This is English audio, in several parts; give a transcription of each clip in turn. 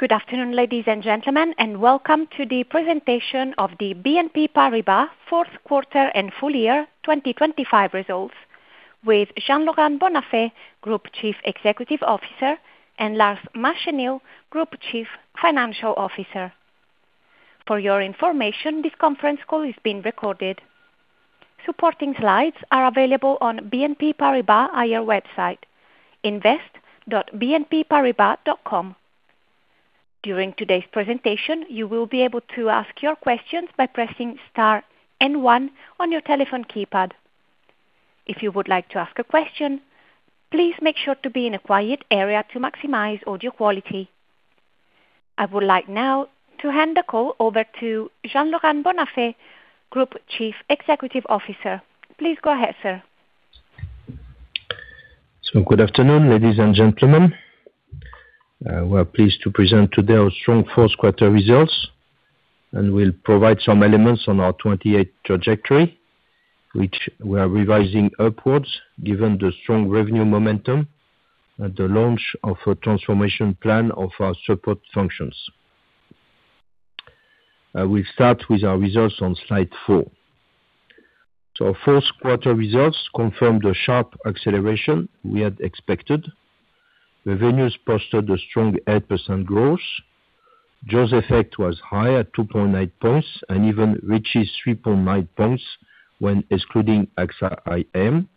Good afternoon, ladies and gentlemen, and welcome to the presentation of the BNP Paribas fourth quarter and full year 2025 results with Jean-Laurent Bonnafé, Group Chief Executive Officer, and Lars Machenil, Group Chief Financial Officer. For your information, this conference call is being recorded. Supporting slides are available on BNP Paribas IR website: invest.bnpparibas.com. During today's presentation, you will be able to ask your questions by pressing star N1 on your telephone keypad. If you would like to ask a question, please make sure to be in a quiet area to maximize audio quality. I would like now to hand the call over to Jean-Laurent Bonnafé, Group Chief Executive Officer. Please go ahead, sir. So good afternoon, ladies and gentlemen. We are pleased to present today our strong fourth quarter results, and we'll provide some elements on our 2024 trajectory, which we are revising upwards given the strong revenue momentum and the launch of a transformation plan of our support functions. We'll start with our results on slide 4. Our fourth quarter results confirmed the sharp acceleration we had expected. Revenues posted a strong 8% growth. Jaws effect was high at 2.9 points and even reached 3.9 points when excluding AXA IM.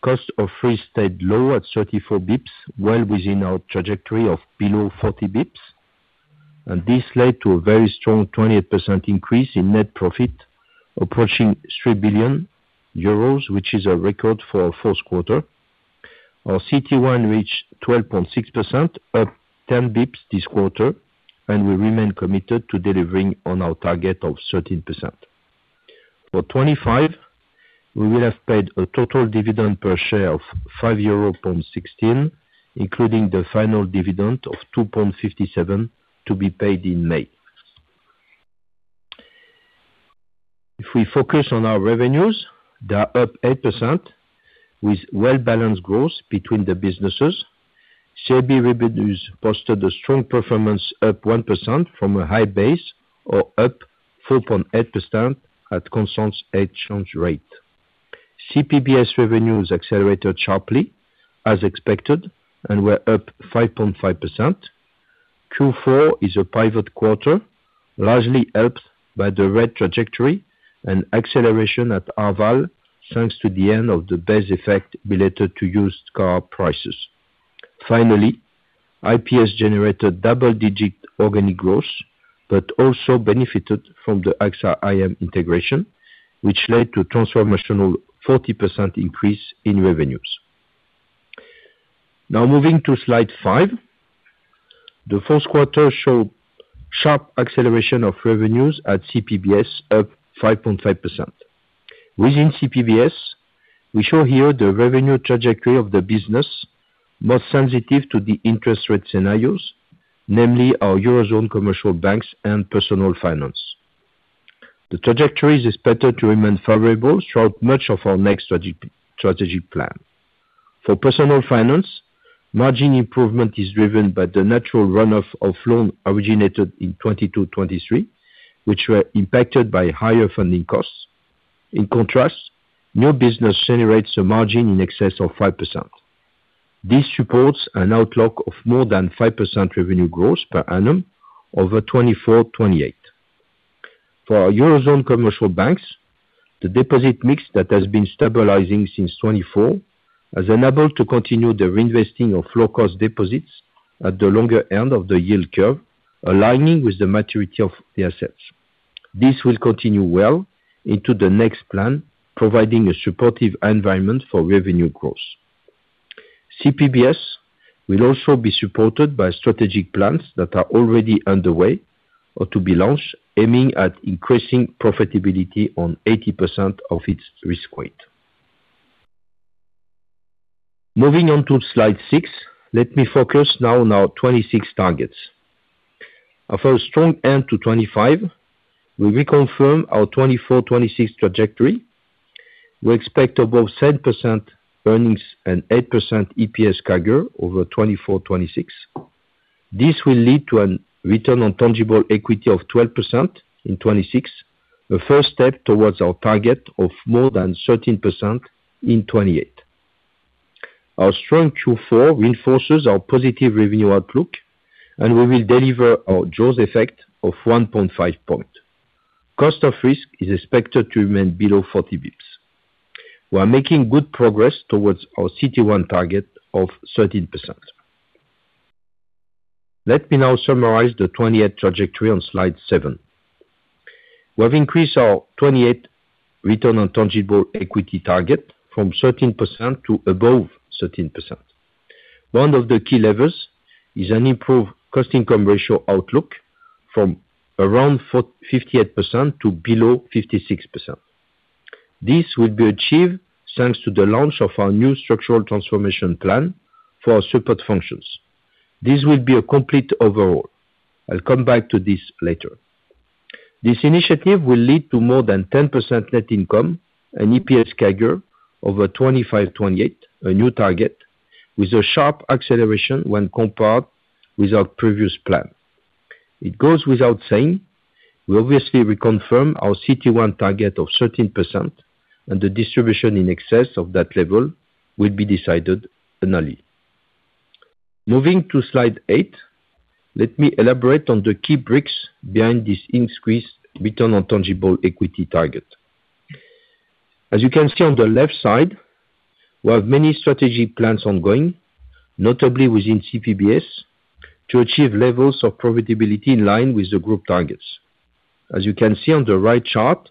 Cost of risk stayed low at 34 basis points, well within our trajectory of below 40 basis points, and this led to a very strong 28% increase in net profit approaching 3 billion euros, which is a record for our fourth quarter. Our CET1 reached 12.6%, up 10 basis points this quarter, and we remain committed to delivering on our target of 13%. For 2025, we will have paid a total dividend per share of 5.16 euro, including the final dividend of 2.57 to be paid in May. If we focus on our revenues, they are up 8% with well-balanced growth between the businesses. CIB revenues posted a strong performance up 1% from a high base or up 4.8% at constant exchange rate. CPBS revenues accelerated sharply, as expected, and were up 5.5%. Q4 is a pivotal quarter, largely helped by the seasonal trajectory and acceleration at Arval thanks to the end of the base effect related to used car prices. Finally, IPS generated double-digit organic growth but also benefited from the AXA IM integration, which led to transformational 40% increase in revenues. Now moving to Slide 5. The fourth quarter showed sharp acceleration of revenues at CPBS, up 5.5%. Within CPBS, we show here the revenue trajectory of the business most sensitive to the interest rate scenarios, namely our Eurozone commercial banks and personal finance. The trajectory is expected to remain favorable throughout much of our next strategic plan. For personal finance, margin improvement is driven by the natural runoff of loans originated in 2022/2023, which were impacted by higher funding costs. In contrast, new business generates a margin in excess of 5%. This supports an outlook of more than 5% revenue growth per annum over 2024/2028. For our Eurozone commercial banks, the deposit mix that has been stabilizing since 2024 has enabled to continue the reinvesting of low-cost deposits at the longer end of the yield curve, aligning with the maturity of the assets. This will continue well into the next plan, providing a supportive environment for revenue growth. CPBS will also be supported by strategic plans that are already underway or to be launched, aiming at increasing profitability on 80% of its risk weight. Moving on to slide 6, let me focus now on our 2026 targets. After a strong end to 2025, we reconfirm our 2024/2026 trajectory. We expect above 7% earnings and 8% EPS CAGR over 2024/2026. This will lead to a return on tangible equity of 12% in 2026, a first step towards our target of more than 13% in 2028. Our strong Q4 reinforces our positive revenue outlook, and we will deliver our jaws effect of 1.5 points. Cost of risk is expected to remain below 40 basis points. We are making good progress towards our CET1 target of 13%. Let me now summarize the 2028 trajectory on slide 7. We have increased our 2028 return on tangible equity target from 13% to above 13%. One of the key levers is an improved cost-income ratio outlook from around 58% to below 56%. This will be achieved thanks to the launch of our new structural transformation plan for our support functions. This will be a complete overhaul. I'll come back to this later. This initiative will lead to more than 10% net income and EPS CAGR over 2025/2028, a new target with a sharp acceleration when compared with our previous plan. It goes without saying, we obviously reconfirm our CET1 target of 13%, and the distribution in excess of that level will be decided annually. Moving to slide 8, let me elaborate on the key bricks behind this increased return on tangible equity target. As you can see on the left side, we have many strategy plans ongoing, notably within CPBS, to achieve levels of profitability in line with the group targets. As you can see on the right chart,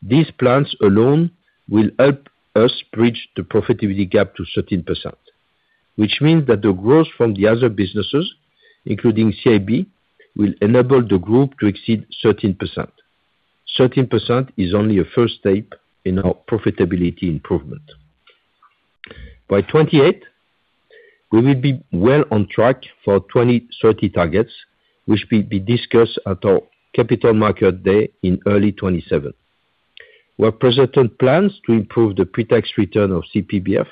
these plans alone will help us bridge the profitability gap to 13%, which means that the growth from the other businesses, including CIB, will enable the group to exceed 13%. 13% is only a first step in our profitability improvement. By 2028, we will be well on track for 2030 targets, which will be discussed at our Capital Market Day in early 2027. We have presented plans to improve the pretax return of CPBS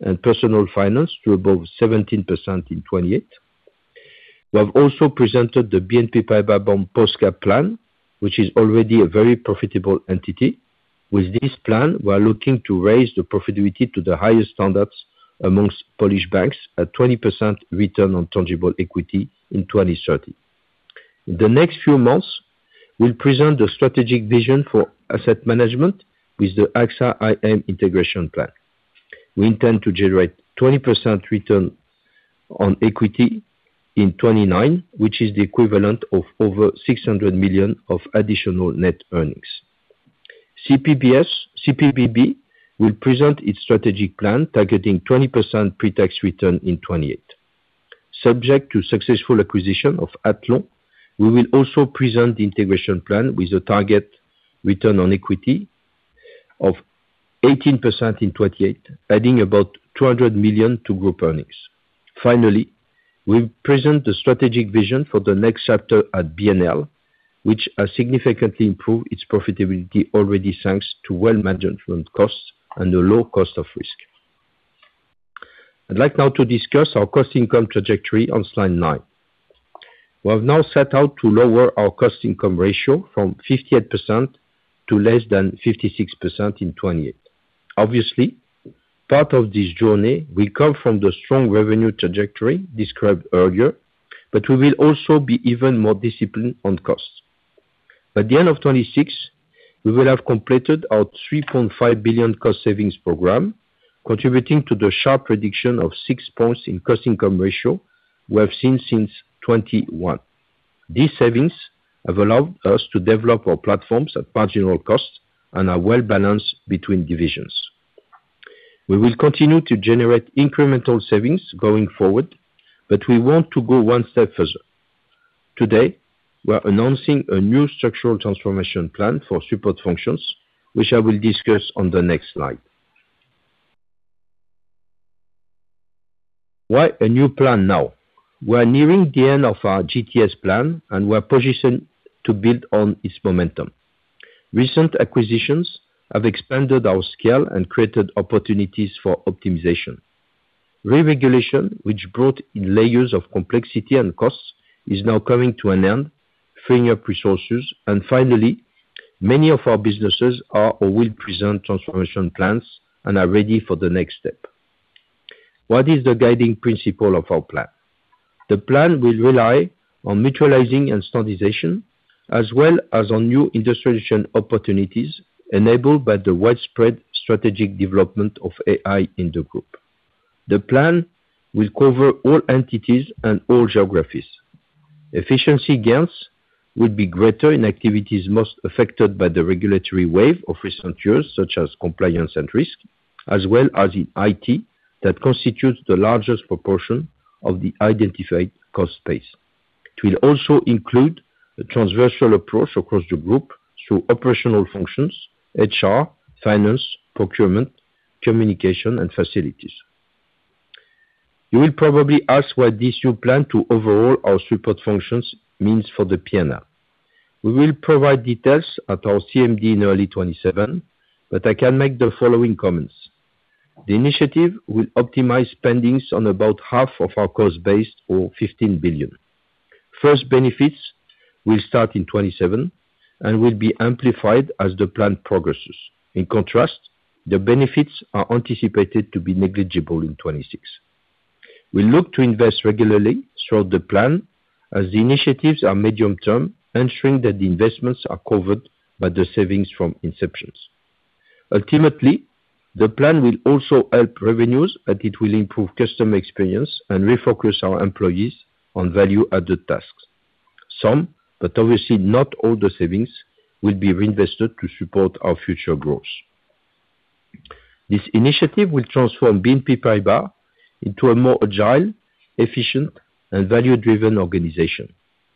and personal finance to above 17% in 2028. We have also presented the BNP Paribas Bank Polska Plan, which is already a very profitable entity. With this plan, we are looking to raise the profitability to the highest standards amongst Polish banks at 20% return on tangible equity in 2030. In the next few months, we'll present the strategic vision for asset management with the AXA IM integration plan. We intend to generate 20% return on equity in 2029, which is the equivalent of over 600 million of additional net earnings. CPBS will present its strategic plan targeting 20% pretax return in 2028. Subject to successful acquisition of Athlon, we will also present the integration plan with a target return on equity of 18% in 2028, adding about 200 million to group earnings. Finally, we'll present the strategic vision for the next chapter at BNL, which has significantly improved its profitability already thanks to well-managed costs and a low cost of risk. I'd like now to discuss our cost-income trajectory on slide 9. We have now set out to lower our cost-income ratio from 58% to less than 56% in 2028. Obviously, part of this journey will come from the strong revenue trajectory described earlier, but we will also be even more disciplined on costs. By the end of 2026, we will have completed our 3.5 billion cost savings program, contributing to the sharp reduction of 6 points in cost-income ratio we have seen since 2021. These savings have allowed us to develop our platforms at marginal cost and are well balanced between divisions. We will continue to generate incremental savings going forward, but we want to go one step further. Today, we are announcing a new structural transformation plan for support functions, which I will discuss on the next slide. Why a new plan now? We are nearing the end of our GTS plan, and we are positioned to build on its momentum. Recent acquisitions have expanded our scale and created opportunities for optimization. Reregulation, which brought in layers of complexity and costs, is now coming to an end, freeing up resources, and finally, many of our businesses are or will present transformation plans and are ready for the next step. What is the guiding principle of our plan? The plan will rely on mutualizing and standardization, as well as on new industrialization opportunities enabled by the widespread strategic development of AI in the group. The plan will cover all entities and all geographies. Efficiency gains will be greater in activities most affected by the regulatory wave of recent years, such as compliance and risk, as well as in IT that constitutes the largest proportion of the identified cost space. It will also include a transversal approach across the group through operational functions, HR, finance, procurement, communication, and facilities. You will probably ask what this new plan to overhaul our support functions means for the P&L. We will provide details at our CMD in early 2027, but I can make the following comments. The initiative will optimize spending on about half of our cost base or 15 billion. First benefits will start in 2027 and will be amplified as the plan progresses. In contrast, the benefits are anticipated to be negligible in 2026. We'll look to invest regularly throughout the plan as the initiatives are medium-term, ensuring that the investments are covered by the savings from inceptions. Ultimately, the plan will also help revenues as it will improve customer experience and refocus our employees on value-added tasks. Some, but obviously not all, of the savings will be reinvested to support our future growth. This initiative will transform BNP Paribas into a more agile, efficient, and value-driven organization,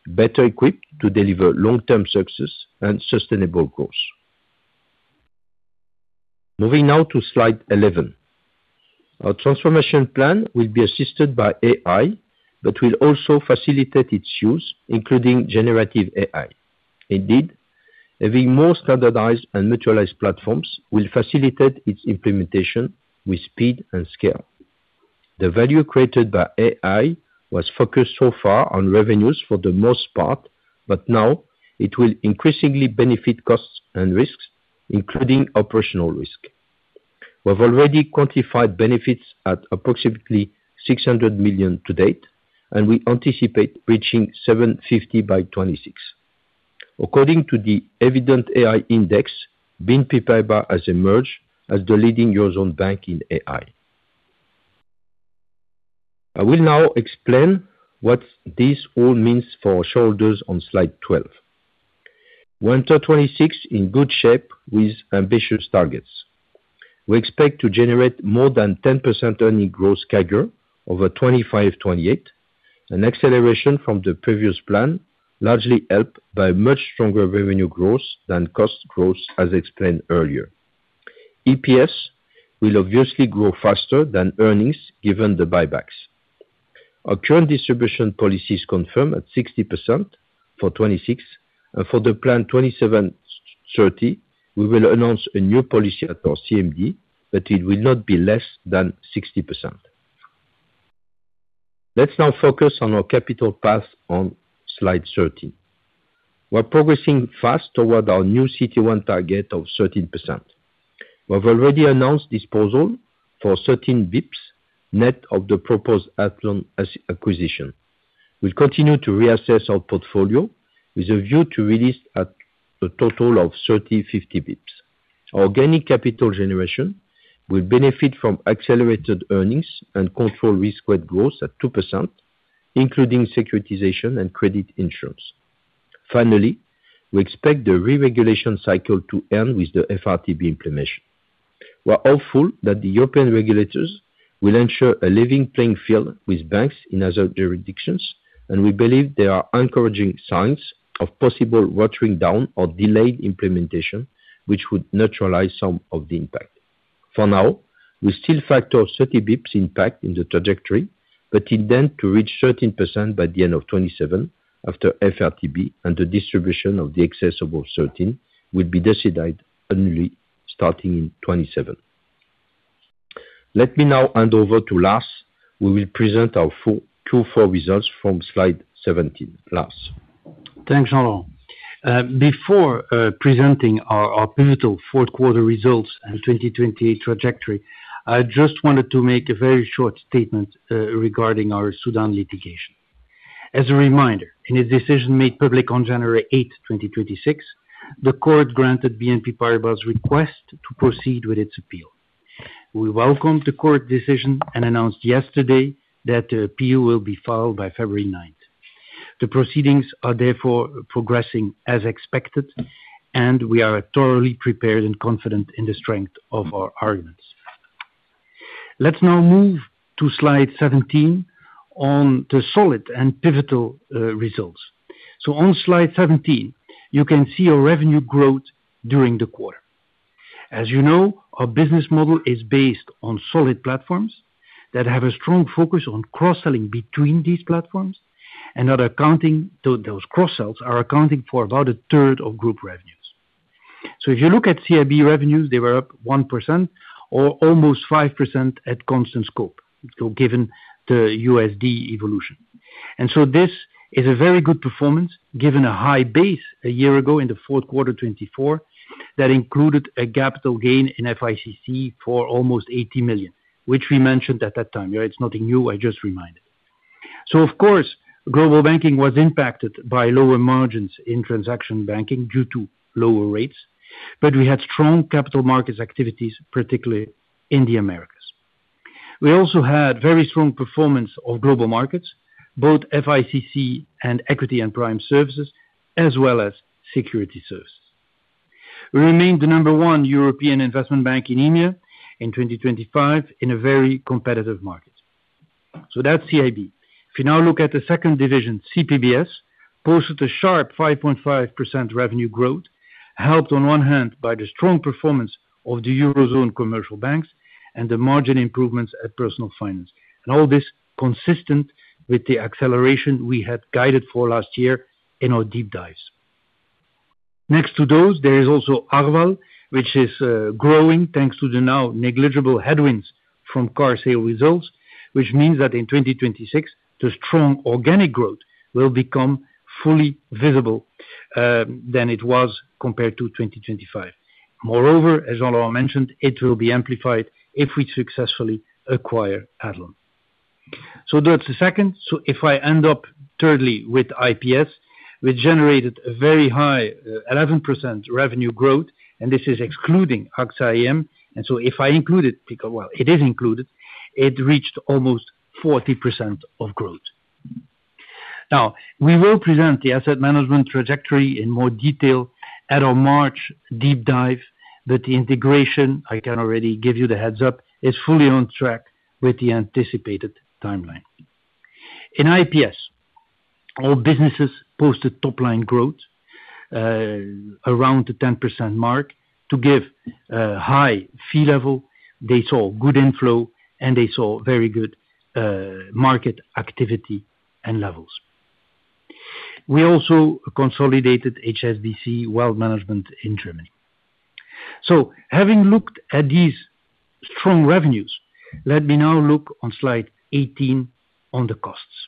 better equipped to deliver long-term success and sustainable growth. Moving now to slide 11. Our transformation plan will be assisted by AI but will also facilitate its use, including generative AI. Indeed, having more standardized and mutualized platforms will facilitate its implementation with speed and scale. The value created by AI was focused so far on revenues for the most part, but now it will increasingly benefit costs and risks, including operational risk. We have already quantified benefits at approximately 600 million to date, and we anticipate reaching 750 million by 2026. According to the Evident AI Index, BNP Paribas has emerged as the leading Eurozone bank in AI. I will now explain what this all means for our shareholders on slide 12. With 2026 in good shape with ambitious targets. We expect to generate more than 10% earning growth CAGR over 2025-2028. An acceleration from the previous plan, largely helped by much stronger revenue growth than cost growth, as explained earlier. EPS will obviously grow faster than earnings given the buybacks. Our current distribution policies confirm at 60% for 2026, and for the plan 2027-2030, we will announce a new policy at our CMD, but it will not be less than 60%. Let's now focus on our capital path on slide 13. We are progressing fast toward our new CET1 target of 13%. We have already announced disposal for 13 basis points net of the proposed Athlon acquisition. We'll continue to reassess our portfolio with a view to release at a total of 30-50 basis points. Our organic capital generation will benefit from accelerated earnings and controlled risk-weighted growth at 2%, including securitization and credit insurance. Finally, we expect the reregulation cycle to end with the FRTB implementation. We are hopeful that the European regulators will ensure a level playing field with banks in other jurisdictions, and we believe there are encouraging signs of possible watering down or delayed implementation, which would neutralize some of the impact. For now, we still factor 30 basis points impact in the trajectory, but intend to reach 13% by the end of 2027 after FRTB, and the distribution of the excess above 13 will be decided only starting in 2027. Let me now hand over to Lars who will present our Q4 results from slide 17. Lars. Thanks, Jean-Laurent. Before presenting our pivotal fourth-quarter results and 2028 trajectory, I just wanted to make a very short statement regarding our Sudan litigation. As a reminder, in a decision made public on January 8, 2026, the court granted BNP Paribas' request to proceed with its appeal. We welcomed the court decision and announced yesterday that the appeal will be filed by February 9th. The proceedings are therefore progressing as expected, and we are thoroughly prepared and confident in the strength of our arguments. Let's now move to slide 17 on the solid and pivotal results. So on slide 17, you can see our revenue growth during the quarter. As you know, our business model is based on solid platforms that have a strong focus on cross-selling between these platforms, and those cross-sells are accounting for about a third of group revenues. So if you look at CIB revenues, they were up 1% or almost 5% at constant scope, given the USD evolution. This is a very good performance given a high base a year ago in the fourth quarter 2024 that included a capital gain in FICC for almost 80 million, which we mentioned at that time. It's nothing new. I just reminded. Of course, Global Banking was impacted by lower margins in transaction banking due to lower rates, but we had strong capital markets activities, particularly in the Americas. We also had very strong performance of Global Markets, both FICC and Equities and Prime Services, as well as Securities Services. We remained the number one European investment bank in India in 2025 in a very competitive market. That's CIB. If you now look at the second division, CPBS, posted a sharp 5.5% revenue growth, helped on one hand by the strong performance of the Eurozone commercial banks and the margin improvements at personal finance, and all this consistent with the acceleration we had guided for last year in our deep dives. Next to those, there is also Arval, which is growing thanks to the now negligible headwinds from car sale results, which means that in 2026, the strong organic growth will become fully visible than it was compared to 2025. Moreover, as Jean-Laurent mentioned, it will be amplified if we successfully acquire Athlon. So that's the second. So if I end up thirdly with IPS, we generated a very high 11% revenue growth, and this is excluding AXA IM. And so if I included, well, it is included. It reached almost 40% of growth. Now, we will present the asset management trajectory in more detail at our March deep dive, but the integration, I can already give you the heads up, is fully on track with the anticipated timeline. In IPS, all businesses posted top-line growth around the 10% mark to give a high fee level. They saw good inflow, and they saw very good market activity and levels. We also consolidated HSBC Wealth Management in Germany. So having looked at these strong revenues, let me now look on slide 18 on the costs.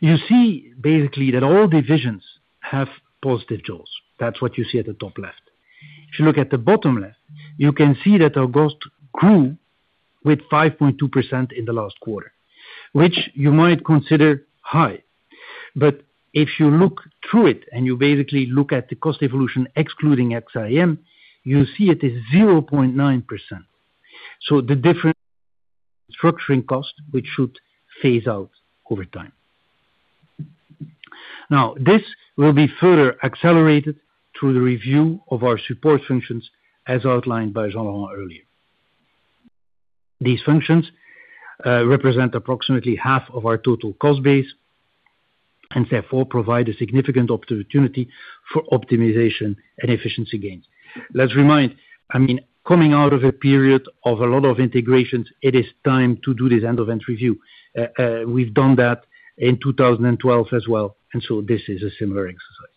You see basically that all divisions have positive jaws. That's what you see at the top left. If you look at the bottom left, you can see that our growth grew with 5.2% in the last quarter, which you might consider high. But if you look through it and you basically look at the cost evolution excluding AXA IM, you see it is 0.9%. So the difference is structuring cost, which should phase out over time. Now, this will be further accelerated through the review of our support functions as outlined by Jean-Laurent earlier. These functions represent approximately half of our total cost base and therefore provide a significant opportunity for optimization and efficiency gains. Let's remind I mean, coming out of a period of a lot of integrations, it is time to do this end-to-end review. We've done that in 2012 as well, and so this is a similar exercise.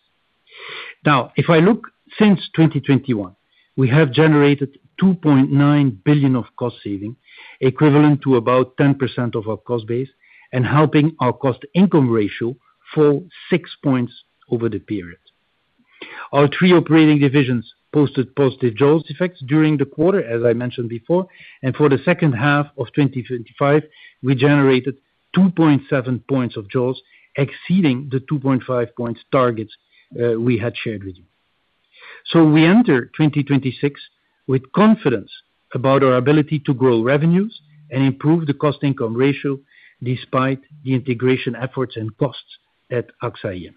Now, if I look since 2021, we have generated 2.9 billion of cost saving, equivalent to about 10% of our cost base, and helping our cost-income ratio fall 6 points over the period. Our three operating divisions posted positive Jaws effects during the quarter, as I mentioned before, and for the second half of 2025, we generated 2.7 points of Jaws exceeding the 2.5-point targets we had shared with you. So we enter 2026 with confidence about our ability to grow revenues and improve the cost-income ratio despite the integration efforts and costs at AXA IM.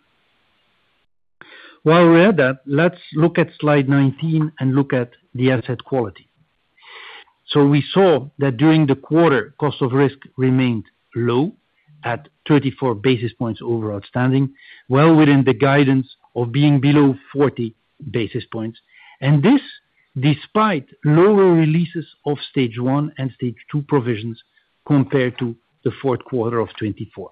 While we're at that, let's look at slide 19 and look at the asset quality. So we saw that during the quarter, cost of risk remained low at 34 basis points over outstanding, well within the guidance of being below 40 basis points, and this despite lower releases of Stage 1 and Stage 2 provisions compared to the fourth quarter of 2024.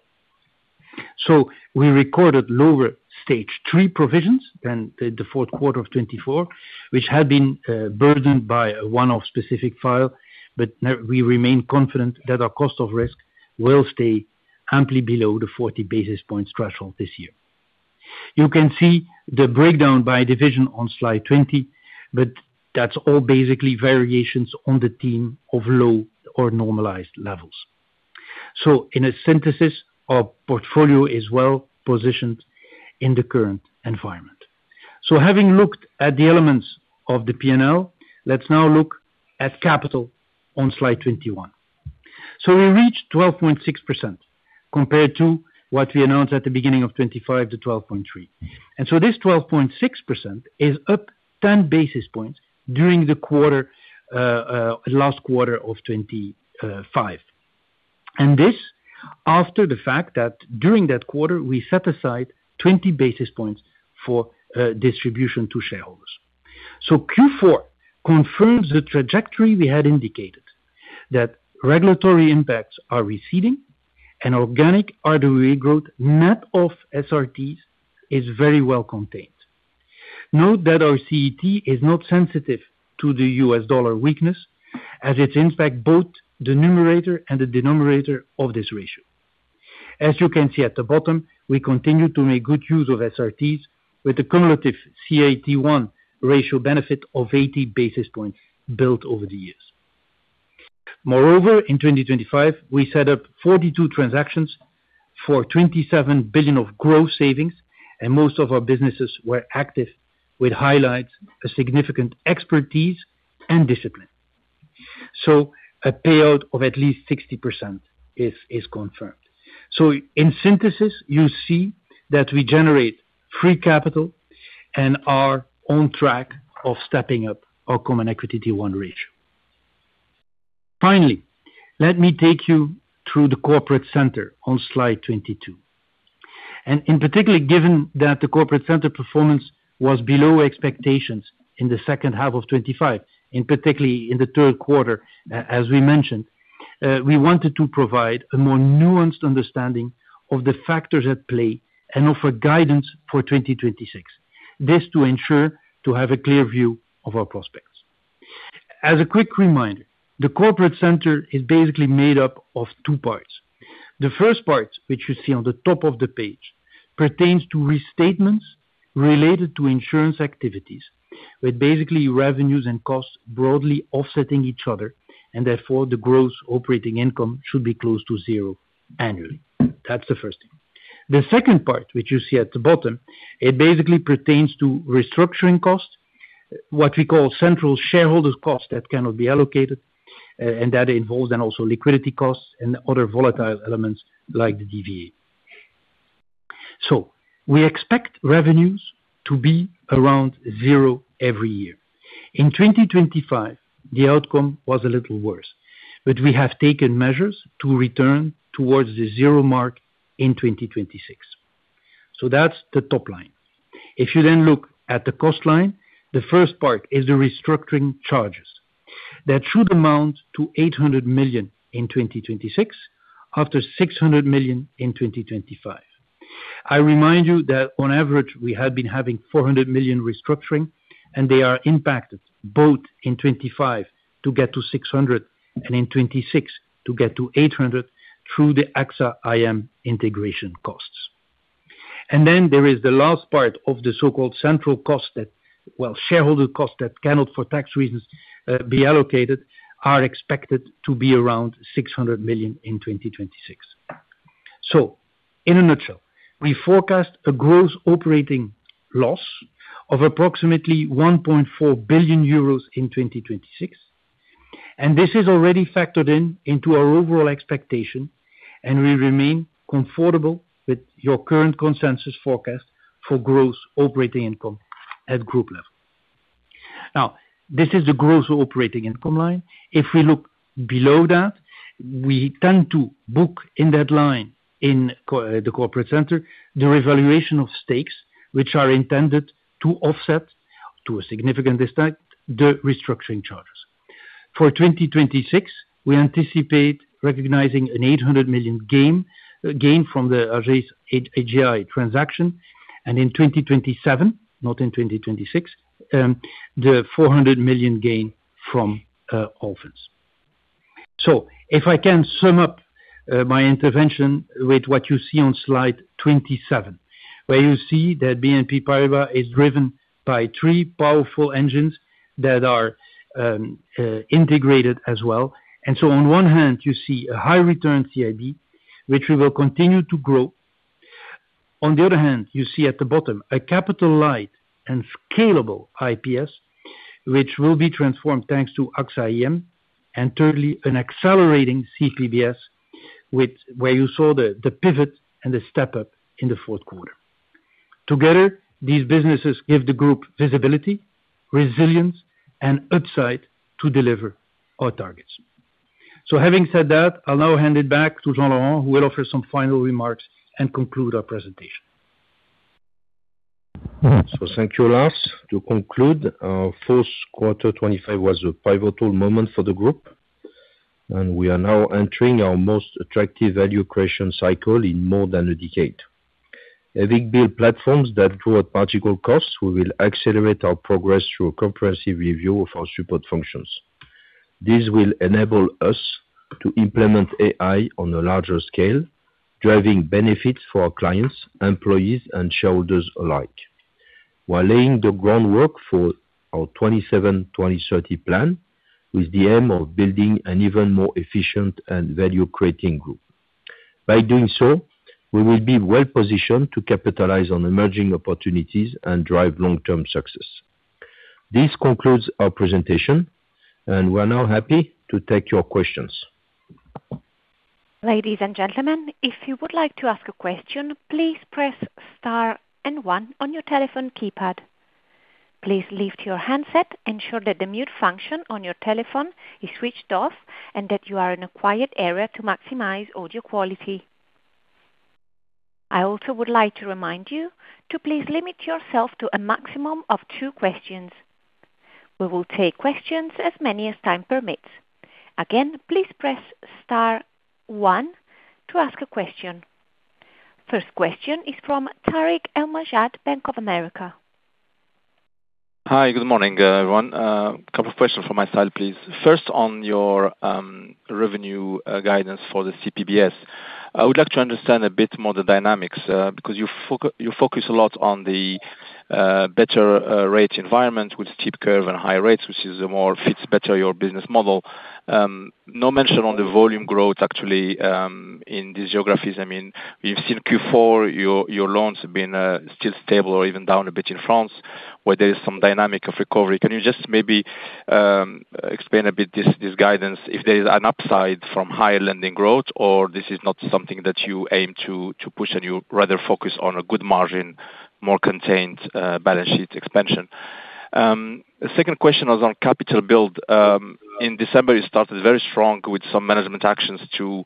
We recorded lower Stage 3 provisions than the fourth quarter of 2024, which had been burdened by one-off specific file, but we remain confident that our cost of risk will stay amply below the 40 basis points threshold this year. You can see the breakdown by division on slide 20, but that's all basically variations on a theme of low or normalized levels. So, in a synthesis, our portfolio is well positioned in the current environment. Having looked at the elements of the P&L, let's now look at capital on slide 21. We reached 12.6% compared to what we announced at the beginning of 2025-12.3%. And this 12.6% is up 10 basis points during the quarter last quarter of 2025, and this after the fact that during that quarter, we set aside 20 basis points for distribution to shareholders. So Q4 confirms the trajectory we had indicated, that regulatory impacts are receding, and organic RWA growth net of SRTs is very well contained. Note that our CET1 is not sensitive to the US dollar weakness as its impact both the numerator and the denominator of this ratio. As you can see at the bottom, we continue to make good use of SRTs with a cumulative CET1 ratio benefit of 80 basis points built over the years. Moreover, in 2025, we set up 42 transactions for 27 billion of growth savings, and most of our businesses were active with highlights, a significant expertise, and discipline. So a payout of at least 60% is confirmed. So in synthesis, you see that we generate free capital and are on track of stepping up our common equity T1 ratio. Finally, let me take you through the corporate center on slide 22. In particular, given that the Corporate Center performance was below expectations in the second half of 2025, in particular in the third quarter, as we mentioned, we wanted to provide a more nuanced understanding of the factors at play and offer guidance for 2026, this to ensure to have a clear view of our prospects. As a quick reminder, the Corporate Center is basically made up of two parts. The first part, which you see on the top of the page, pertains to restatements related to insurance activities with basically revenues and costs broadly offsetting each other, and therefore, the gross operating income should be close to zero annually. That's the first thing. The second part, which you see at the bottom, it basically pertains to restructuring cost, what we call central shareholder cost that cannot be allocated, and that involves then also liquidity costs and other volatile elements like the DVA. So we expect revenues to be around zero every year. In 2025, the outcome was a little worse, but we have taken measures to return towards the zero mark in 2026. So that's the top line. If you then look at the cost line, the first part is the restructuring charges. That should amount to 800 million in 2026 after 600 million in 2025. I remind you that on average, we had been having 400 million restructuring, and they are impacted both in 2025 to get to 600 and in 2026 to get to 800 through the AXA IM integration costs. Then there is the last part of the so-called central cost that well, shareholder cost that cannot for tax reasons be allocated are expected to be around 600 million in 2026. So in a nutshell, we forecast a gross operating loss of approximately 1.4 billion euros in 2026, and this is already factored into our overall expectation, and we remain comfortable with your current consensus forecast for gross operating income at group level. Now, this is the gross operating income line. If we look below that, we tend to book in that line in the corporate center the revaluation of stakes, which are intended to offset to a significant extent the restructuring charges. For 2026, we anticipate recognizing an 800 million gain from the Ageas transaction, and in 2027, not in 2026, the 400 million gain from Allfunds. So if I can sum up my intervention with what you see on slide 27, where you see that BNP Paribas is driven by three powerful engines that are integrated as well. And so on one hand, you see a high-return CIB, which we will continue to grow. On the other hand, you see at the bottom a capital-light and scalable IPS, which will be transformed thanks to AXA IM, and thirdly, an accelerating CPBS where you saw the pivot and the step-up in the fourth quarter. Together, these businesses give the group visibility, resilience, and upside to deliver our targets. So having said that, I'll now hand it back to Jean-Laurent, who will offer some final remarks and conclude our presentation. So thank you, Lars. To conclude, our fourth quarter 2025 was a pivotal moment for the group, and we are now entering our most attractive value creation cycle in more than a decade. Having built platforms that draw at particular costs, we will accelerate our progress through a comprehensive review of our support functions. This will enable us to implement AI on a larger scale, driving benefits for our clients, employees, and shareholders alike, while laying the groundwork for our 2027-2030 plan with the aim of building an even more efficient and value-creating group. By doing so, we will be well positioned to capitalize on emerging opportunities and drive long-term success. This concludes our presentation, and we are now happy to take your questions. Ladies and gentlemen, if you would like to ask a question, please press star and one on your telephone keypad. Please lift your handset, ensure that the mute function on your telephone is switched off, and that you are in a quiet area to maximize audio quality. I also would like to remind you to please limit yourself to a maximum of two questions. We will take questions as many as time permits. Again, please press star one to ask a question. First question is from Tarik El Mejjad, Bank of America. Hi. Good morning, everyone. A couple of questions from my side, please. First, on your revenue guidance for the CPBS, I would like to understand a bit more the dynamics because you focus a lot on the better rate environment with steep curve and high rates, which fits better your business model. No mention on the volume growth, actually, in these geographies. I mean, we've seen Q4, your loans have been still stable or even down a bit in France, where there is some dynamic of recovery. Can you just maybe explain a bit this guidance, if there is an upside from higher lending growth, or this is not something that you aim to push, and you rather focus on a good margin, more contained balance sheet expansion? Second question was on capital build. In December, it started very strong with some management actions to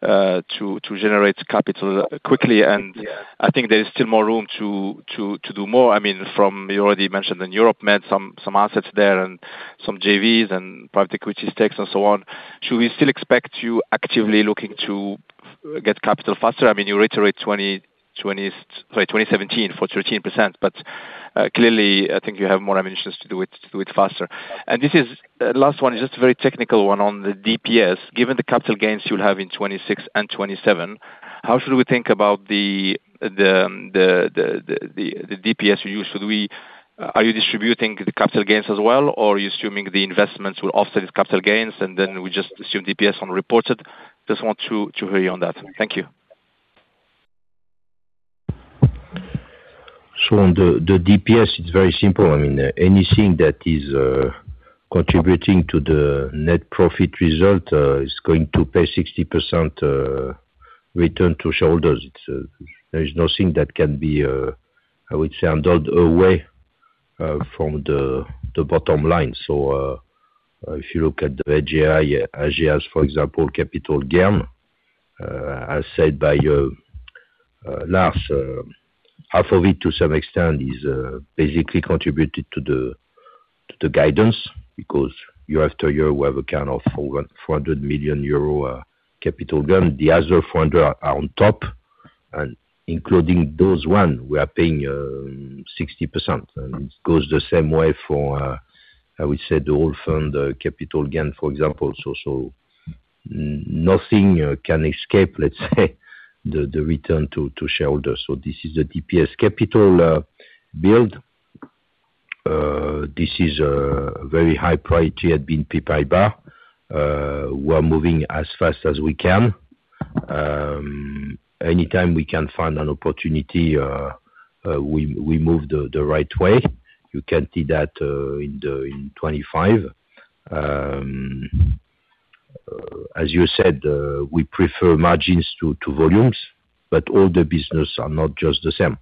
generate capital quickly, and I think there is still more room to do more. I mean, you already mentioned that Europe met some assets there and some JVs and private equity stakes and so on. Should we still expect you actively looking to get capital faster? I mean, you reiterate 2017 for 13%, but clearly, I think you have more ambitions to do it faster. And this is the last one, just a very technical one on the DPS. Given the capital gains you'll have in 2026 and 2027, how should we think about the DPS you use? Are you distributing the capital gains as well, or are you assuming the investments will offset these capital gains, and then we just assume DPS on reported? Just want to hear you on that. Thank you. So on the DPS, it's very simple. I mean, anything that is contributing to the net profit result is going to pay 60% return to shareholders. There is nothing that can be, I would say, handled away from the bottom line. So if you look at the Ageas, for example, capital gain, as said by Lars, half of it, to some extent, is basically contributed to the guidance because year after year, we have a kind of 400 million euro capital gain. The other 400 million are on top, and including those one, we are paying 60%. And it goes the same way for, I would say, the Allfunds capital gain, for example. So nothing can escape, let's say, the return to shareholders. So this is the DPS capital build. This is a very high priority at BNP Paribas. We are moving as fast as we can. Anytime we can find an opportunity, we move the right way. You can see that in 2025. As you said, we prefer margins to volumes, but all the business are not just the same.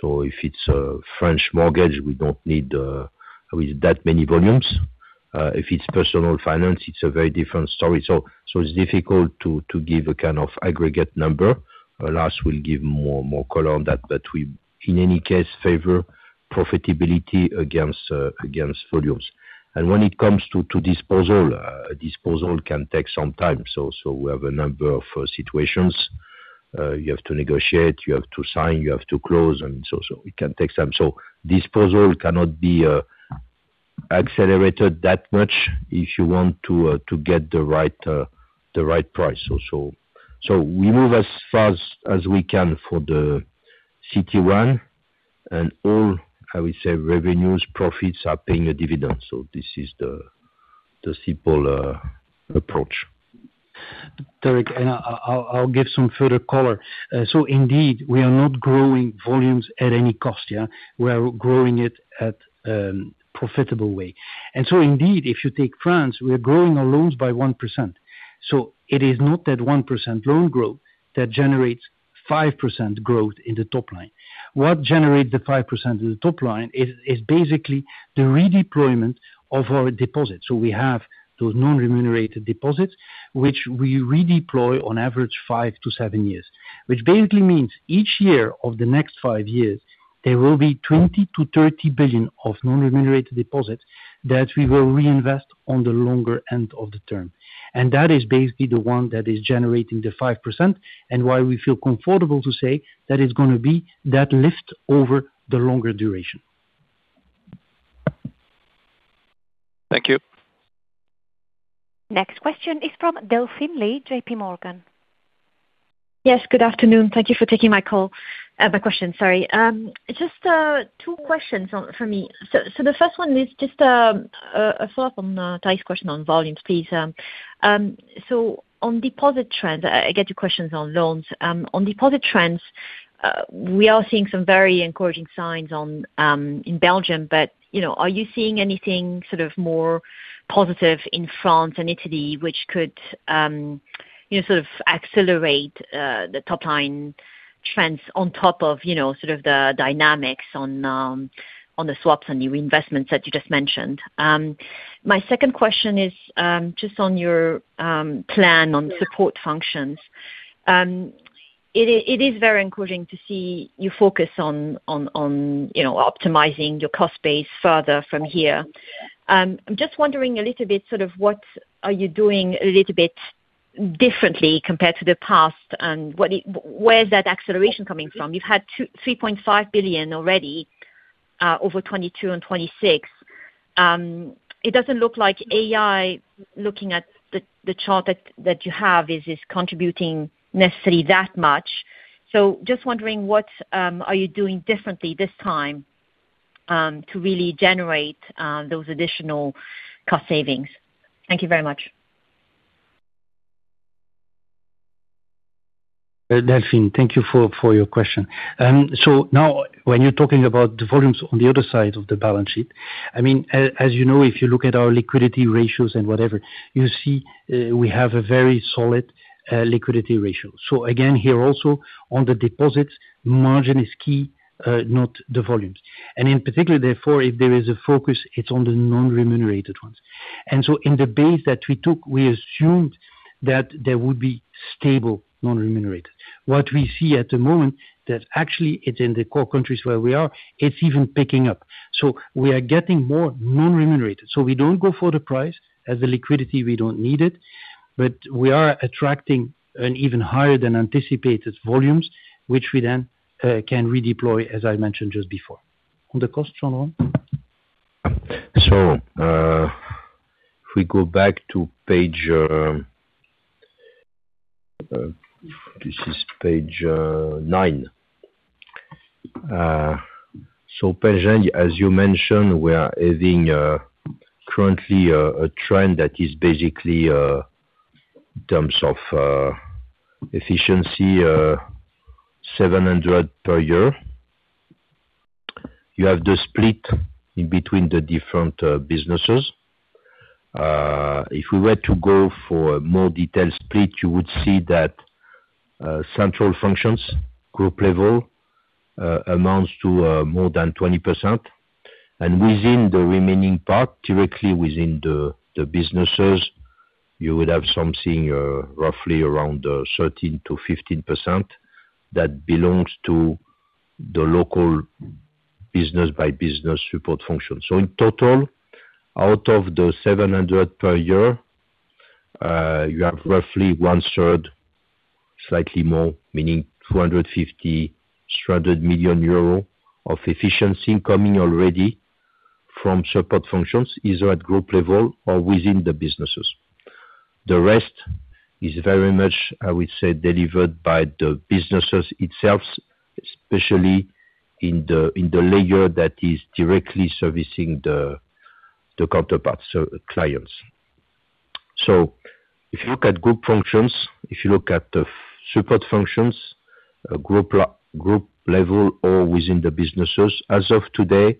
So if it's a French mortgage, we don't need that many volumes. If it's personal finance, it's a very different story. So it's difficult to give a kind of aggregate number. Lars will give more color on that, but we, in any case, favor profitability against volumes. And when it comes to disposal, disposal can take some time. So we have a number of situations. You have to negotiate. You have to sign. You have to close. I mean, so it can take time. So disposal cannot be accelerated that much if you want to get the right price. So we move as fast as we can for the CET1, and all, I would say, revenues, profits are paying a dividend. So this is the simple approach. Tarik, and I'll give some further color. So indeed, we are not growing volumes at any cost, yeah? We are growing it at a profitable way. So indeed, if you take France, we are growing our loans by 1%. So it is not that 1% loan growth that generates 5% growth in the top line. What generates the 5% in the top line is basically the redeployment of our deposits. So we have those non-remunerated deposits, which we redeploy on average 5-7 years, which basically means each year of the next 5 years, there will be 20 billion-30 billion of non-remunerated deposits that we will reinvest on the longer end of the term. And that is basically the one that is generating the 5% and why we feel comfortable to say that it's going to be that lift over the longer duration. Thank you. Next question is from Delphine Lee, JPMorgan. Yes. Good afternoon. Thank you for taking my call, my question, sorry. Just two questions for me. So the first one is just a follow-up on Tarik's question on volumes, please. So on deposit trends, I get your questions on loans. On deposit trends, we are seeing some very encouraging signs in Belgium, but are you seeing anything sort of more positive in France and Italy, which could sort of accelerate the top line trends on top of sort of the dynamics on the swaps and the reinvestments that you just mentioned? My second question is just on your plan on support functions. It is very encouraging to see you focus on optimizing your cost base further from here. I'm just wondering a little bit sort of what are you doing a little bit differently compared to the past, and where is that acceleration coming from? You've had 3.5 billion already over 2022 and 2026. It doesn't look like AI, looking at the chart that you have, is contributing necessarily that much. So just wondering, what are you doing differently this time to really generate those additional cost savings? Thank you very much. Delphine, thank you for your question. So now, when you're talking about the volumes on the other side of the balance sheet, I mean, as you know, if you look at our liquidity ratios and whatever, you see we have a very solid liquidity ratio. So again, here also, on the deposits, margin is key, not the volumes. And in particular, therefore, if there is a focus, it's on the non-remunerated ones. And so in the base that we took, we assumed that there would be stable non-remunerated. What we see at the moment, that actually it's in the core countries where we are, it's even picking up. So we are getting more non-remunerated. So we don't go for the price as the liquidity, we don't need it, but we are attracting even higher than anticipated volumes, which we then can redeploy, as I mentioned just before. On the cost, Jean-Laurent Bonnafé? So if we go back to page, this is page 9. So Belgium, as you mentioned, we are having currently a trend that is basically, in terms of efficiency, 700 per year. You have the split in between the different businesses. If we were to go for a more detailed split, you would see that central functions, group level, amounts to more than 20%. And within the remaining part, directly within the businesses, you would have something roughly around 13%-15% that belongs to the local business-by-business support function. So in total, out of the 700 per year, you have roughly 1/3, slightly more, meaning 250 million euros, 300 million euro of efficiency coming already from support functions, either at group level or within the businesses. The rest is very much, I would say, delivered by the businesses itself, especially in the layer that is directly servicing the counterparts, clients. So if you look at group functions, if you look at support functions, group level or within the businesses, as of today,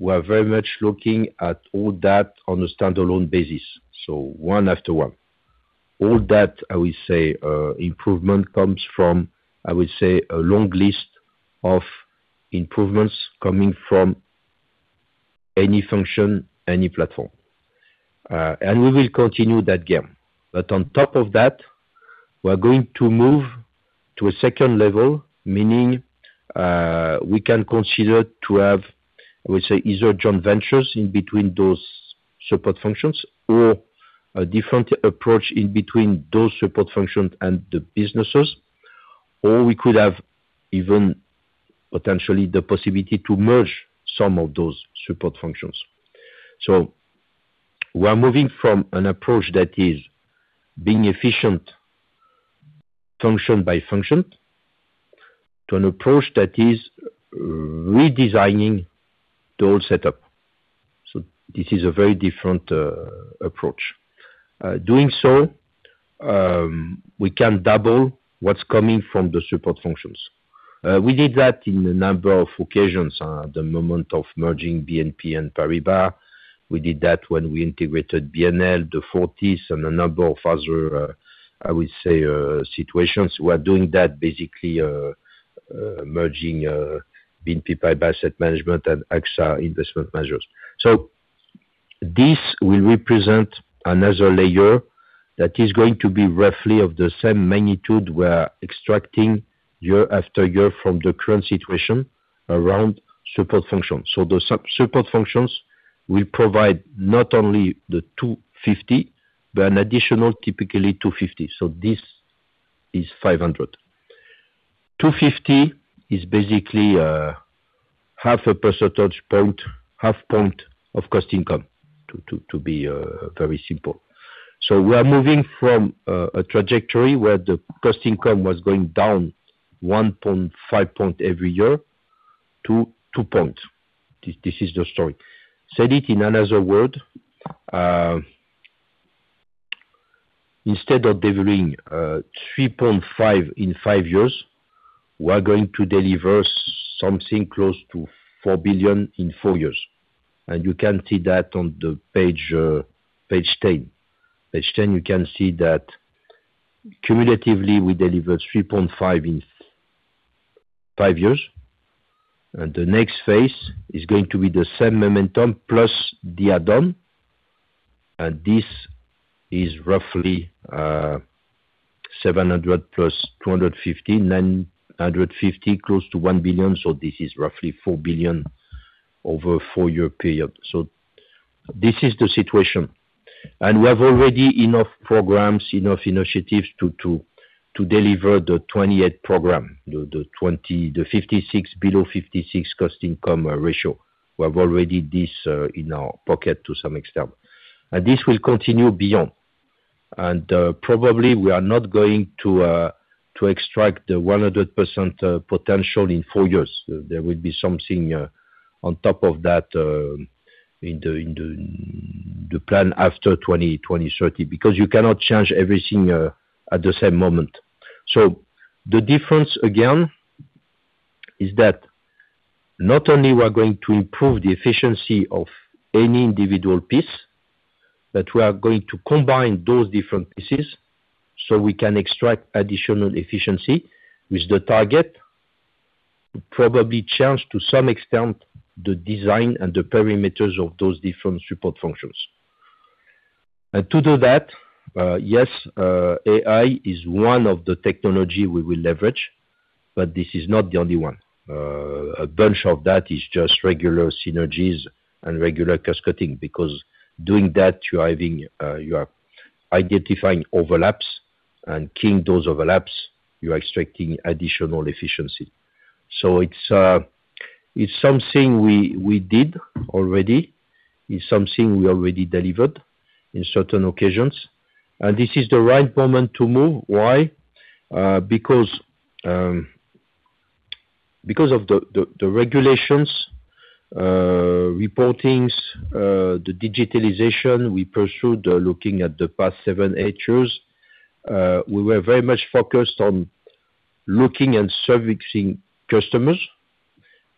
we are very much looking at all that on a standalone basis, so one after one. All that, I would say, improvement comes from, I would say, a long list of improvements coming from any function, any platform. And we will continue that game. But on top of that, we are going to move to a second level, meaning we can consider to have, I would say, either joint ventures in between those support functions or a different approach in between those support functions and the businesses, or we could have even potentially the possibility to merge some of those support functions. So we are moving from an approach that is being efficient function by function to an approach that is redesigning the whole setup. So this is a very different approach. Doing so, we can double what's coming from the support functions. We did that in a number of occasions at the moment of merging BNP and Paribas. We did that when we integrated BNL, the Fortis, and a number of other, I would say, situations. We are doing that basically merging BNP Paribas Asset Management and AXA Investment Managers. So this will represent another layer that is going to be roughly of the same magnitude. We are extracting year after year from the current situation around support functions. So the support functions will provide not only the 250 million, but an additional, typically, 250 million. So this is 500 million. 250 million is basically 0.5 percentage point, 0.5 point of cost income, to be very simple. So we are moving from a trajectory where the cost income was going down 1.5 point every year to 2 point. This is the story. Said it in another word, instead of delivering 3.5 billion in 5 years, we are going to deliver something close to 4 billion in 4 years. And you can see that on page 10. Page 10, you can see that cumulatively, we delivered 3.5 billion in 5 years. And the next phase is going to be the same momentum plus the add-on. This is roughly 700+250, 950 close to 1 billion. So this is roughly 4 billion over a 4-year period. So this is the situation. We have already enough programs, enough initiatives to deliver the 28 program, the below 56% cost-income ratio. We have already this in our pocket to some extent. And this will continue beyond. And probably, we are not going to extract the 100% potential in 4 years. There will be something on top of that in the plan after 2030 because you cannot change everything at the same moment. So the difference, again, is that not only we are going to improve the efficiency of any individual piece, but we are going to combine those different pieces so we can extract additional efficiency with the target to probably change, to some extent, the design and the perimeters of those different support functions. To do that, yes, AI is one of the technologies we will leverage, but this is not the only one. A bunch of that is just regular synergies and regular cascading because doing that, you are identifying overlaps, and killing those overlaps, you are extracting additional efficiency. So it's something we did already. It's something we already delivered in certain occasions. This is the right moment to move. Why? Because of the regulations, reportings, the digitalization, we pursued looking at the past 7, 8 years. We were very much focused on looking and servicing customers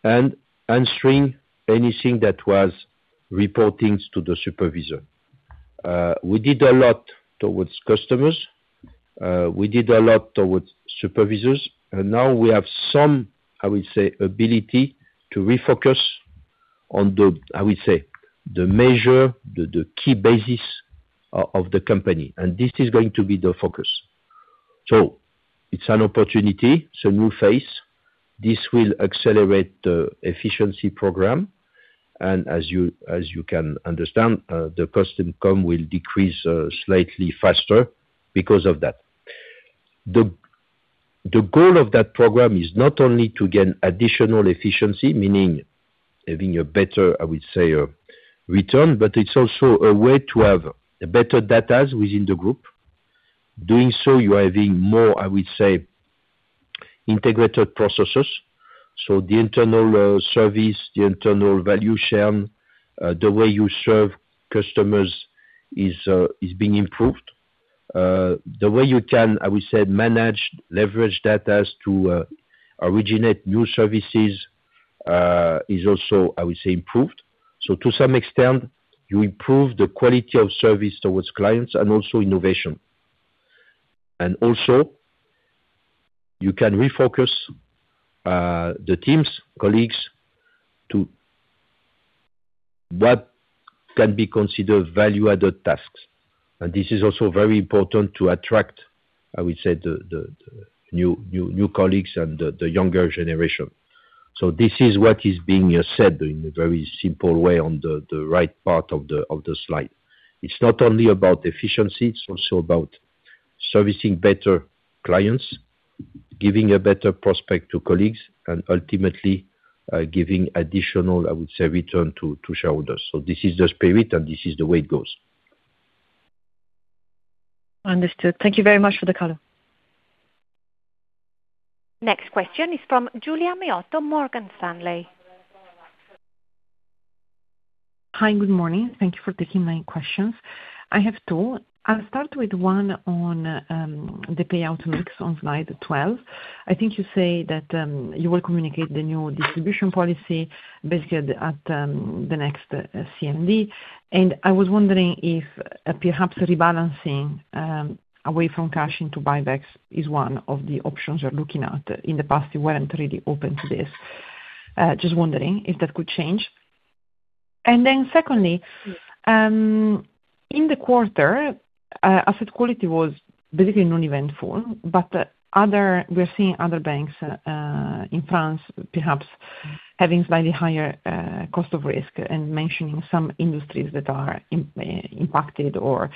and answering anything that was reporting to the supervisor. We did a lot towards customers. We did a lot towards supervisors. And now we have some, I would say, ability to refocus on, I would say, the measure, the key basis of the company. And this is going to be the focus. So it's an opportunity, it's a new phase. This will accelerate the efficiency program. As you can understand, the cost income will decrease slightly faster because of that. The goal of that program is not only to gain additional efficiency, meaning having a better, I would say, return, but it's also a way to have better datas within the group. Doing so, you are having more, I would say, integrated processes. So the internal service, the internal value shared, the way you serve customers is being improved. The way you can, I would say, manage, leverage datas to originate new services is also, I would say, improved. So to some extent, you improve the quality of service towards clients and also innovation. Also, you can refocus the teams, colleagues to what can be considered value-added tasks. This is also very important to attract, I would say, the new colleagues and the younger generation. So this is what is being said in a very simple way on the right part of the slide. It's not only about efficiency. It's also about servicing better clients, giving a better prospect to colleagues, and ultimately giving additional, I would say, return to shareholders. So this is the spirit, and this is the way it goes. Understood. Thank you very much for the color. Next question is from Giulia Miotto, Morgan Stanley. Hi. Good morning. Thank you for taking my questions. I have two. I'll start with one on the payout mix on slide 12. I think you say that you will communicate the new distribution policy basically at the next CMD. I was wondering if perhaps rebalancing away from cash into buybacks is one of the options you're looking at. In the past, you weren't really open to this. Just wondering if that could change. Then secondly, in the quarter, asset quality was basically non-eventful, but we are seeing other banks in France perhaps having slightly higher cost of risk and mentioning some industries that are impacted or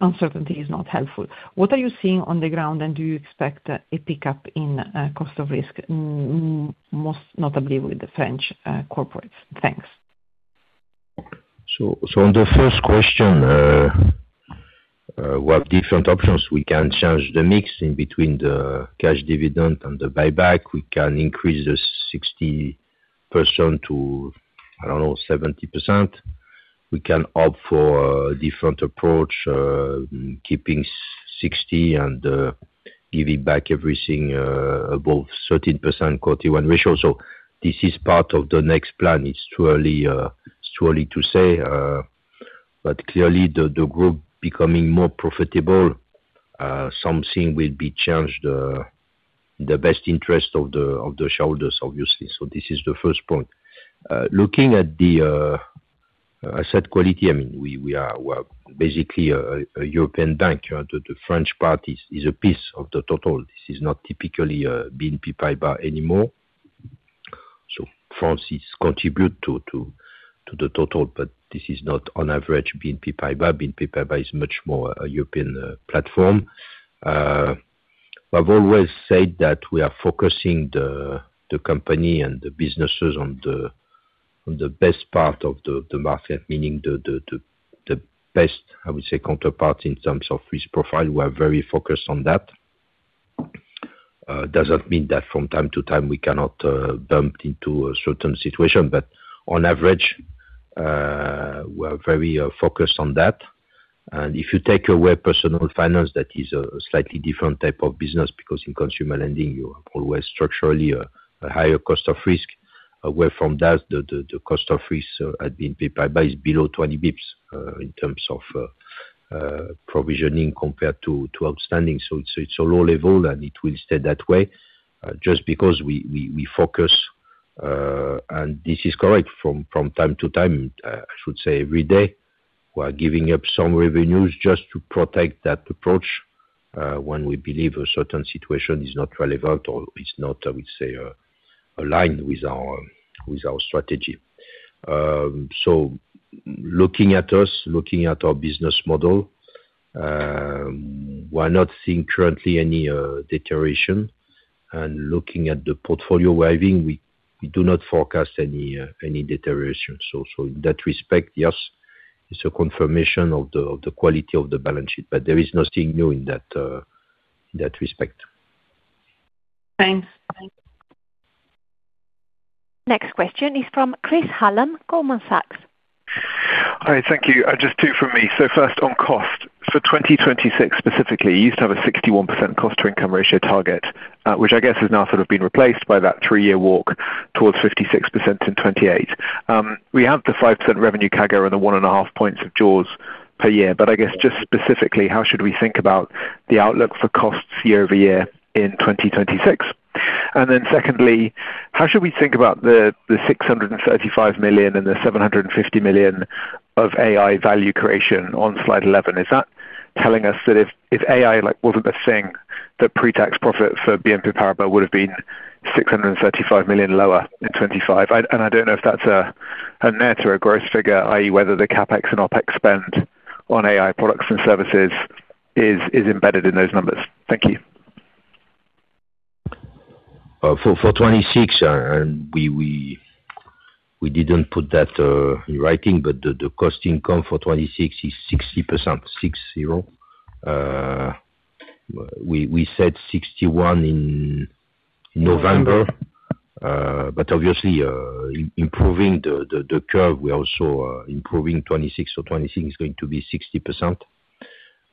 uncertainty is not helpful. What are you seeing on the ground, and do you expect a pickup in cost of risk, most notably with the French corporates? Thanks. On the first question, we have different options. We can change the mix in between the cash dividend and the buyback. We can increase the 60% to, I don't know, 70%. We can opt for a different approach, keeping 60 and giving back everything above 13% CET1 ratio. So this is part of the next plan. It's too early to say. But clearly, the group becoming more profitable, something will be changed in the best interest of the shareholders, obviously. So this is the first point. Looking at the asset quality, I mean, we are basically a European bank. The French part is a piece of the total. This is not typically BNP Paribas anymore. So France contributes to the total, but this is not, on average, BNP Paribas. BNP Paribas is much more a European platform. We have always said that we are focusing the company and the businesses on the best part of the market, meaning the best, I would say, counterpart in terms of risk profile. We are very focused on that. Doesn't mean that from time to time, we cannot bump into a certain situation. But on average, we are very focused on that. If you take away personal finance, that is a slightly different type of business because in consumer lending, you have always structurally a higher cost of risk. Away from that, the cost of risk at BNP Paribas is below 20 basis points in terms of provisioning compared to outstanding. So it's a low level, and it will stay that way just because we focus. And this is correct. From time to time, I should say every day, we are giving up some revenues just to protect that approach when we believe a certain situation is not relevant or is not, I would say, aligned with our strategy. So looking at us, looking at our business model, we are not seeing currently any deterioration. And looking at the portfolio we're having, we do not forecast any deterioration. So in that respect, yes, it's a confirmation of the quality of the balance sheet. But there is nothing new in that respect. Thanks. Next question is from Chris Hallam, Goldman Sachs. Hi. Thank you. Just two from me. So first, on cost. For 2026 specifically, you used to have a 61% cost-to-income ratio target, which I guess has now sort of been replaced by that three-year walk towards 56% in 2028. We have the 5% revenue CAGR and the 1.5 points of JAWS per year. But I guess just specifically, how should we think about the outlook for costs year-over-year in 2026? And then secondly, how should we think about the 635 million and the 750 million of AI value creation on slide 11? Is that telling us that if AI wasn't a thing, that pre-tax profit for BNP Paribas would have been 635 million lower in 2025? And I don't know if that's a net or a gross figure, i.e., whether the CapEx and OpEx spend on AI products and services is embedded in those numbers. Thank you. For 2026, we didn't put that in writing, but the cost income for 2026 is 60%, 6-0. We said 61% in November. But obviously, improving the curve, we are also improving 2026. So 2026 is going to be 60%.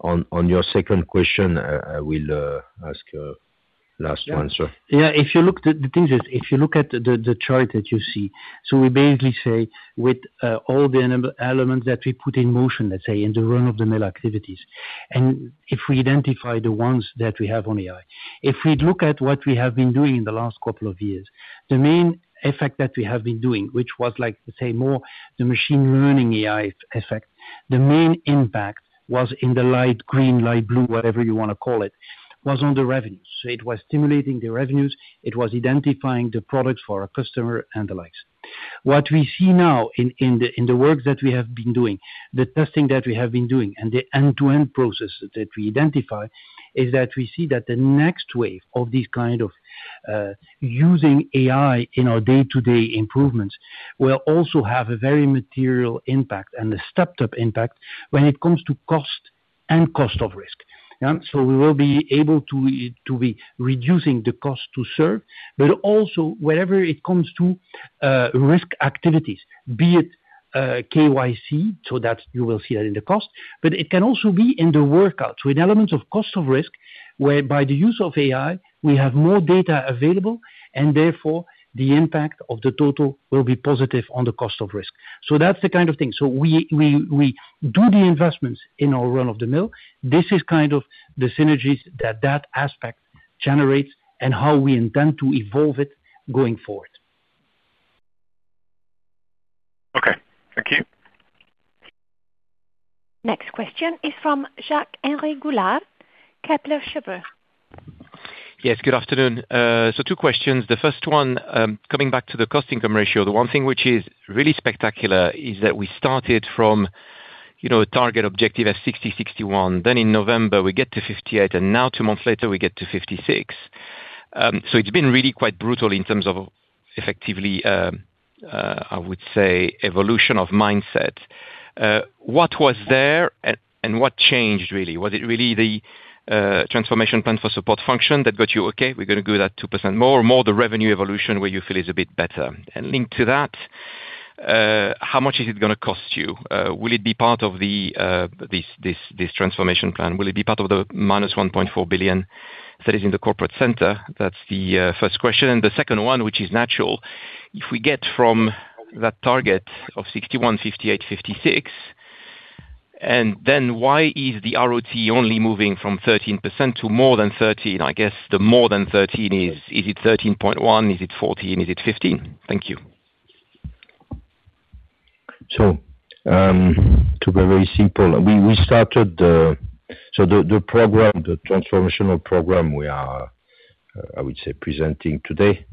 On your second question, I will ask last answer. Yeah. The thing is, if you look at the chart that you see, so we basically say with all the elements that we put in motion, let's say, in the run-of-the-mill activities, and if we identify the ones that we have on AI, if we look at what we have been doing in the last couple of years, the main effect that we have been doing, which was, let's say, more the machine learning AI effect, the main impact was in the light green, light blue, whatever you want to call it, was on the revenues. So it was stimulating the revenues. It was identifying the products for our customer and the likes. What we see now in the work that we have been doing, the testing that we have been doing, and the end-to-end process that we identify is that we see that the next wave of this kind of using AI in our day-to-day improvements will also have a very material impact and a stepped-up impact when it comes to cost and cost of risk. So we will be able to be reducing the cost to serve, but also whenever it comes to risk activities, be it KYC, so you will see that in the cost, but it can also be in the workout. So in elements of cost of risk whereby the use of AI, we have more data available, and therefore, the impact of the total will be positive on the cost of risk. So that's the kind of thing. So we do the investments in our run-of-the-mill. This is kind of the synergies that that aspect generates and how we intend to evolve it going forward. Okay. Thank you. Next question is from Jacques-Henri Gaulard, Kepler Cheuvreux. Yes. Good afternoon. So two questions. The first one, coming back to the cost-income ratio, the one thing which is really spectacular is that we started from a target objective of 60%-61%. Then in November, we get to 58%, and now two months later, we get to 56%. So it's been really quite brutal in terms of effectively, I would say, evolution of mindset. What was there and what changed really? Was it really the transformation plan for support function that got you, "Okay. We're going to give that 2% more," or more the revenue evolution where you feel is a bit better? And linked to that, how much is it going to cost you? Will it be part of this transformation plan? Will it be part of the -1.4 billion that is in the Corporate Center? That's the first question. The second one, which is natural, if we get from that target of 61, 58, 56, and then why is the ROTE only moving from 13% to more than 13%? I guess the more than 13%, is it 13.1%? Is it 14%? Is it 15%? Thank you. So to be very simple, we started the so the program, the transformational program we are, I would say, presenting today,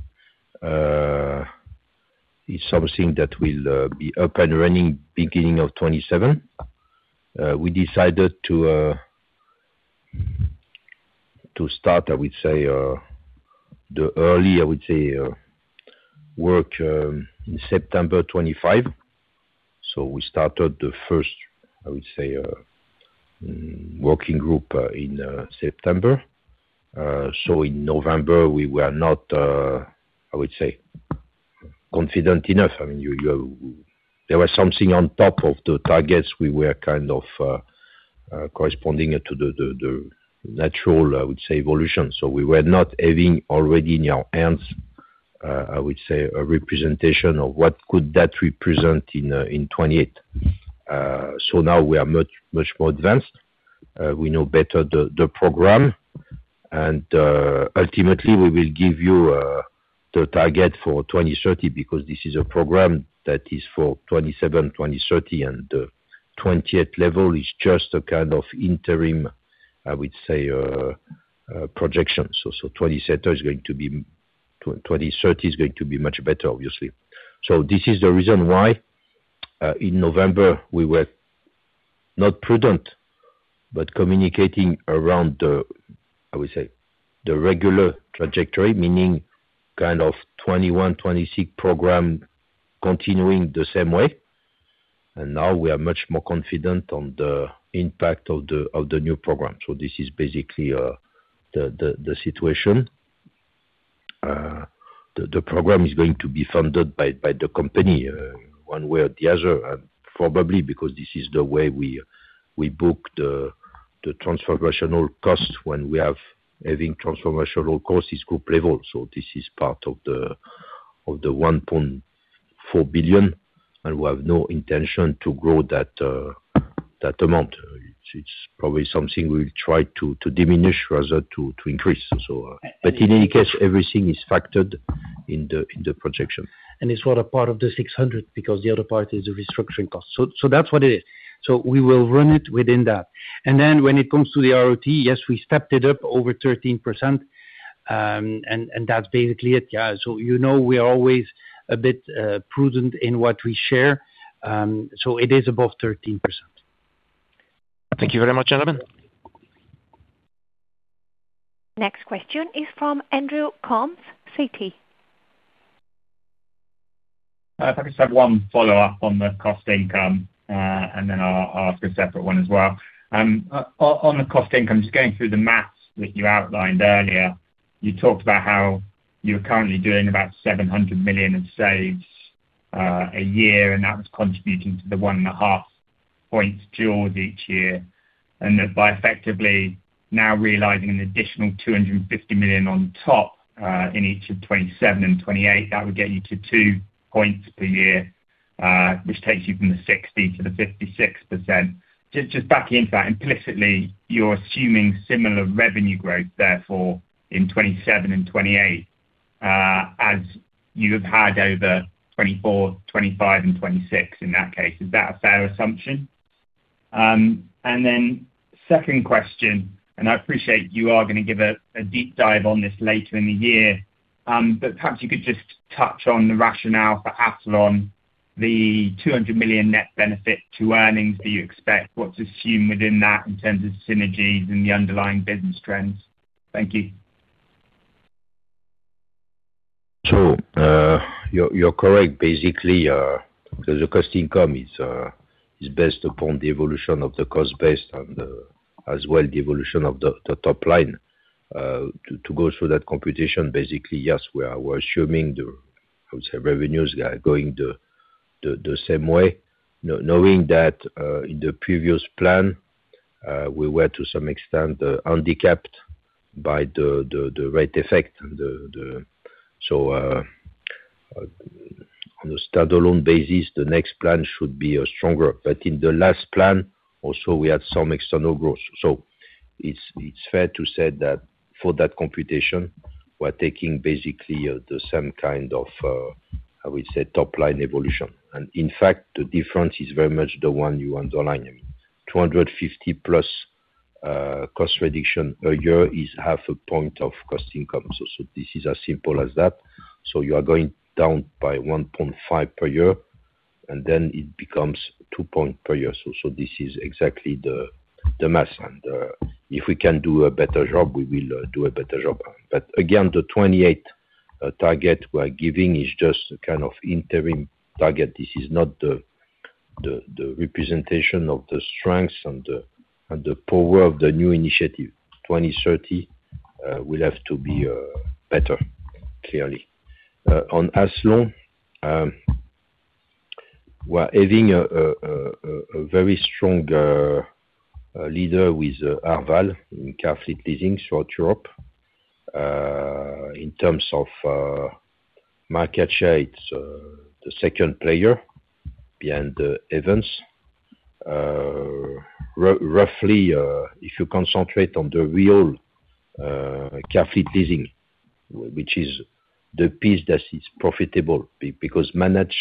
is something that will be up and running beginning of 2027. We decided to start, I would say, the early, I would say, work in September 2025. So we started the first, I would say, working group in September. So in November, we were not, I would say, confident enough. I mean, there was something on top of the targets we were kind of corresponding to the natural, I would say, evolution. So we were not having already in our hands, I would say, a representation of what could that represent in 2028. So now we are much, much more advanced. We know better the program. And ultimately, we will give you the target for 2030 because this is a program that is for 2027, 2030, and the 20th level is just a kind of interim, I would say, projection. So 2030 is going to be much better, obviously. So this is the reason why in November, we were not prudent but communicating around, I would say, the regular trajectory, meaning kind of 2021, 2026 program continuing the same way. And now we are much more confident on the impact of the new program. So this is basically the situation. The program is going to be funded by the company one way or the other, probably because this is the way we book the transformational cost. When we are having transformational cost, it's group level. So this is part of the 1.4 billion, and we have no intention to grow that amount. It's probably something we'll try to diminish rather than to increase. But in any case, everything is factored in the projection. And it's what a part of the 600 million because the other part is the restructuring cost. So that's what it is. So we will run it within that. And then when it comes to the ROTE, yes, we stepped it up over 13%, and that's basically it. Yeah. So we are always a bit prudent in what we share. So it is above 13%. Thank you very much, gentlemen. Next question is from Andrew Coombs, Citi. If I could just have one follow-up on the cost income, and then I'll ask a separate one as well. On the cost income, just going through the math that you outlined earlier, you talked about how you're currently doing about 700 million in saves a year, and that was contributing to the 1.5 points JAWS each year. And that by effectively now realizing an additional 250 million on top in each of 2027 and 2028, that would get you to 2 points per year, which takes you from the 60%-56%. Just backing into that, implicitly, you're assuming similar revenue growth, therefore, in 2027 and 2028 as you have had over 2024, 2025, and 2026 in that case. Is that a fair assumption? And then second question, and I appreciate you are going to give a deep dive on this later in the year, but perhaps you could just touch on the rationale for Athlon, the 200 million net benefit to earnings that you expect. What to assume within that in terms of synergies and the underlying business trends? Thank you. So you're correct. Basically, the cost income is based upon the evolution of the cost base as well as the evolution of the top line. To go through that computation, basically, yes, we are assuming the, I would say, revenues are going the same way, knowing that in the previous plan, we were to some extent handicapped by the rate effect. So on a standalone basis, the next plan should be stronger. But in the last plan, also, we had some external growth. So it's fair to say that for that computation, we are taking basically the same kind of, I would say, top-line evolution. And in fact, the difference is very much the one you underline. I mean, 250+ cost reduction a year is 0.5 point of cost income. So this is as simple as that. So you are going down by 1.5 per year, and then it becomes 2 points per year. So this is exactly the math. And if we can do a better job, we will do a better job. But again, the 2028 target we are giving is just a kind of interim target. This is not the representation of the strengths and the power of the new initiative. 2020-2030 will have to be better, clearly. On Athlon, we are having a very strong leader with Arval in car fleet leasing throughout Europe. In terms of market share, it's the second player, Arval. Roughly, if you concentrate on the real car fleet leasing, which is the piece that is profitable because management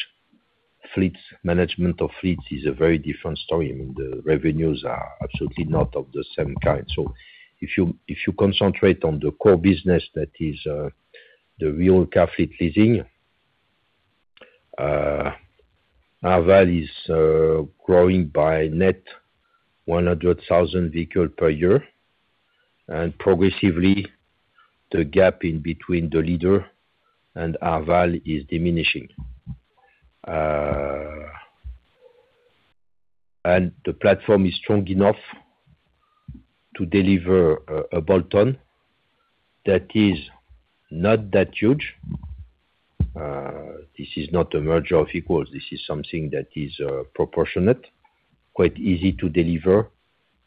of fleets is a very different story. I mean, the revenues are absolutely not of the same kind. So if you concentrate on the core business that is the real car fleet leasing, Arval is growing by net 100,000 vehicles per year. And progressively, the gap in between the leader and Arval is diminishing. And the platform is strong enough to deliver a bolt-on that is not that huge. This is not a merger of equals. This is something that is proportionate, quite easy to deliver,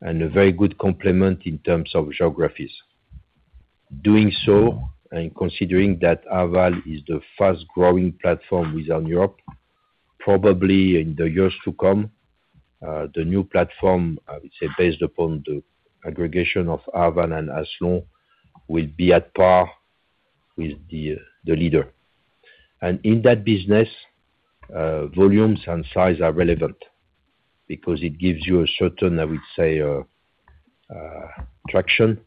and a very good complement in terms of geographies. Doing so and considering that Arval is the fast-growing platform within Europe, probably in the years to come, the new platform, I would say, based upon the aggregation of Arval and Athlon, will be at par with the leader. And in that business, volumes and size are relevant because it gives you a certain, I would say, traction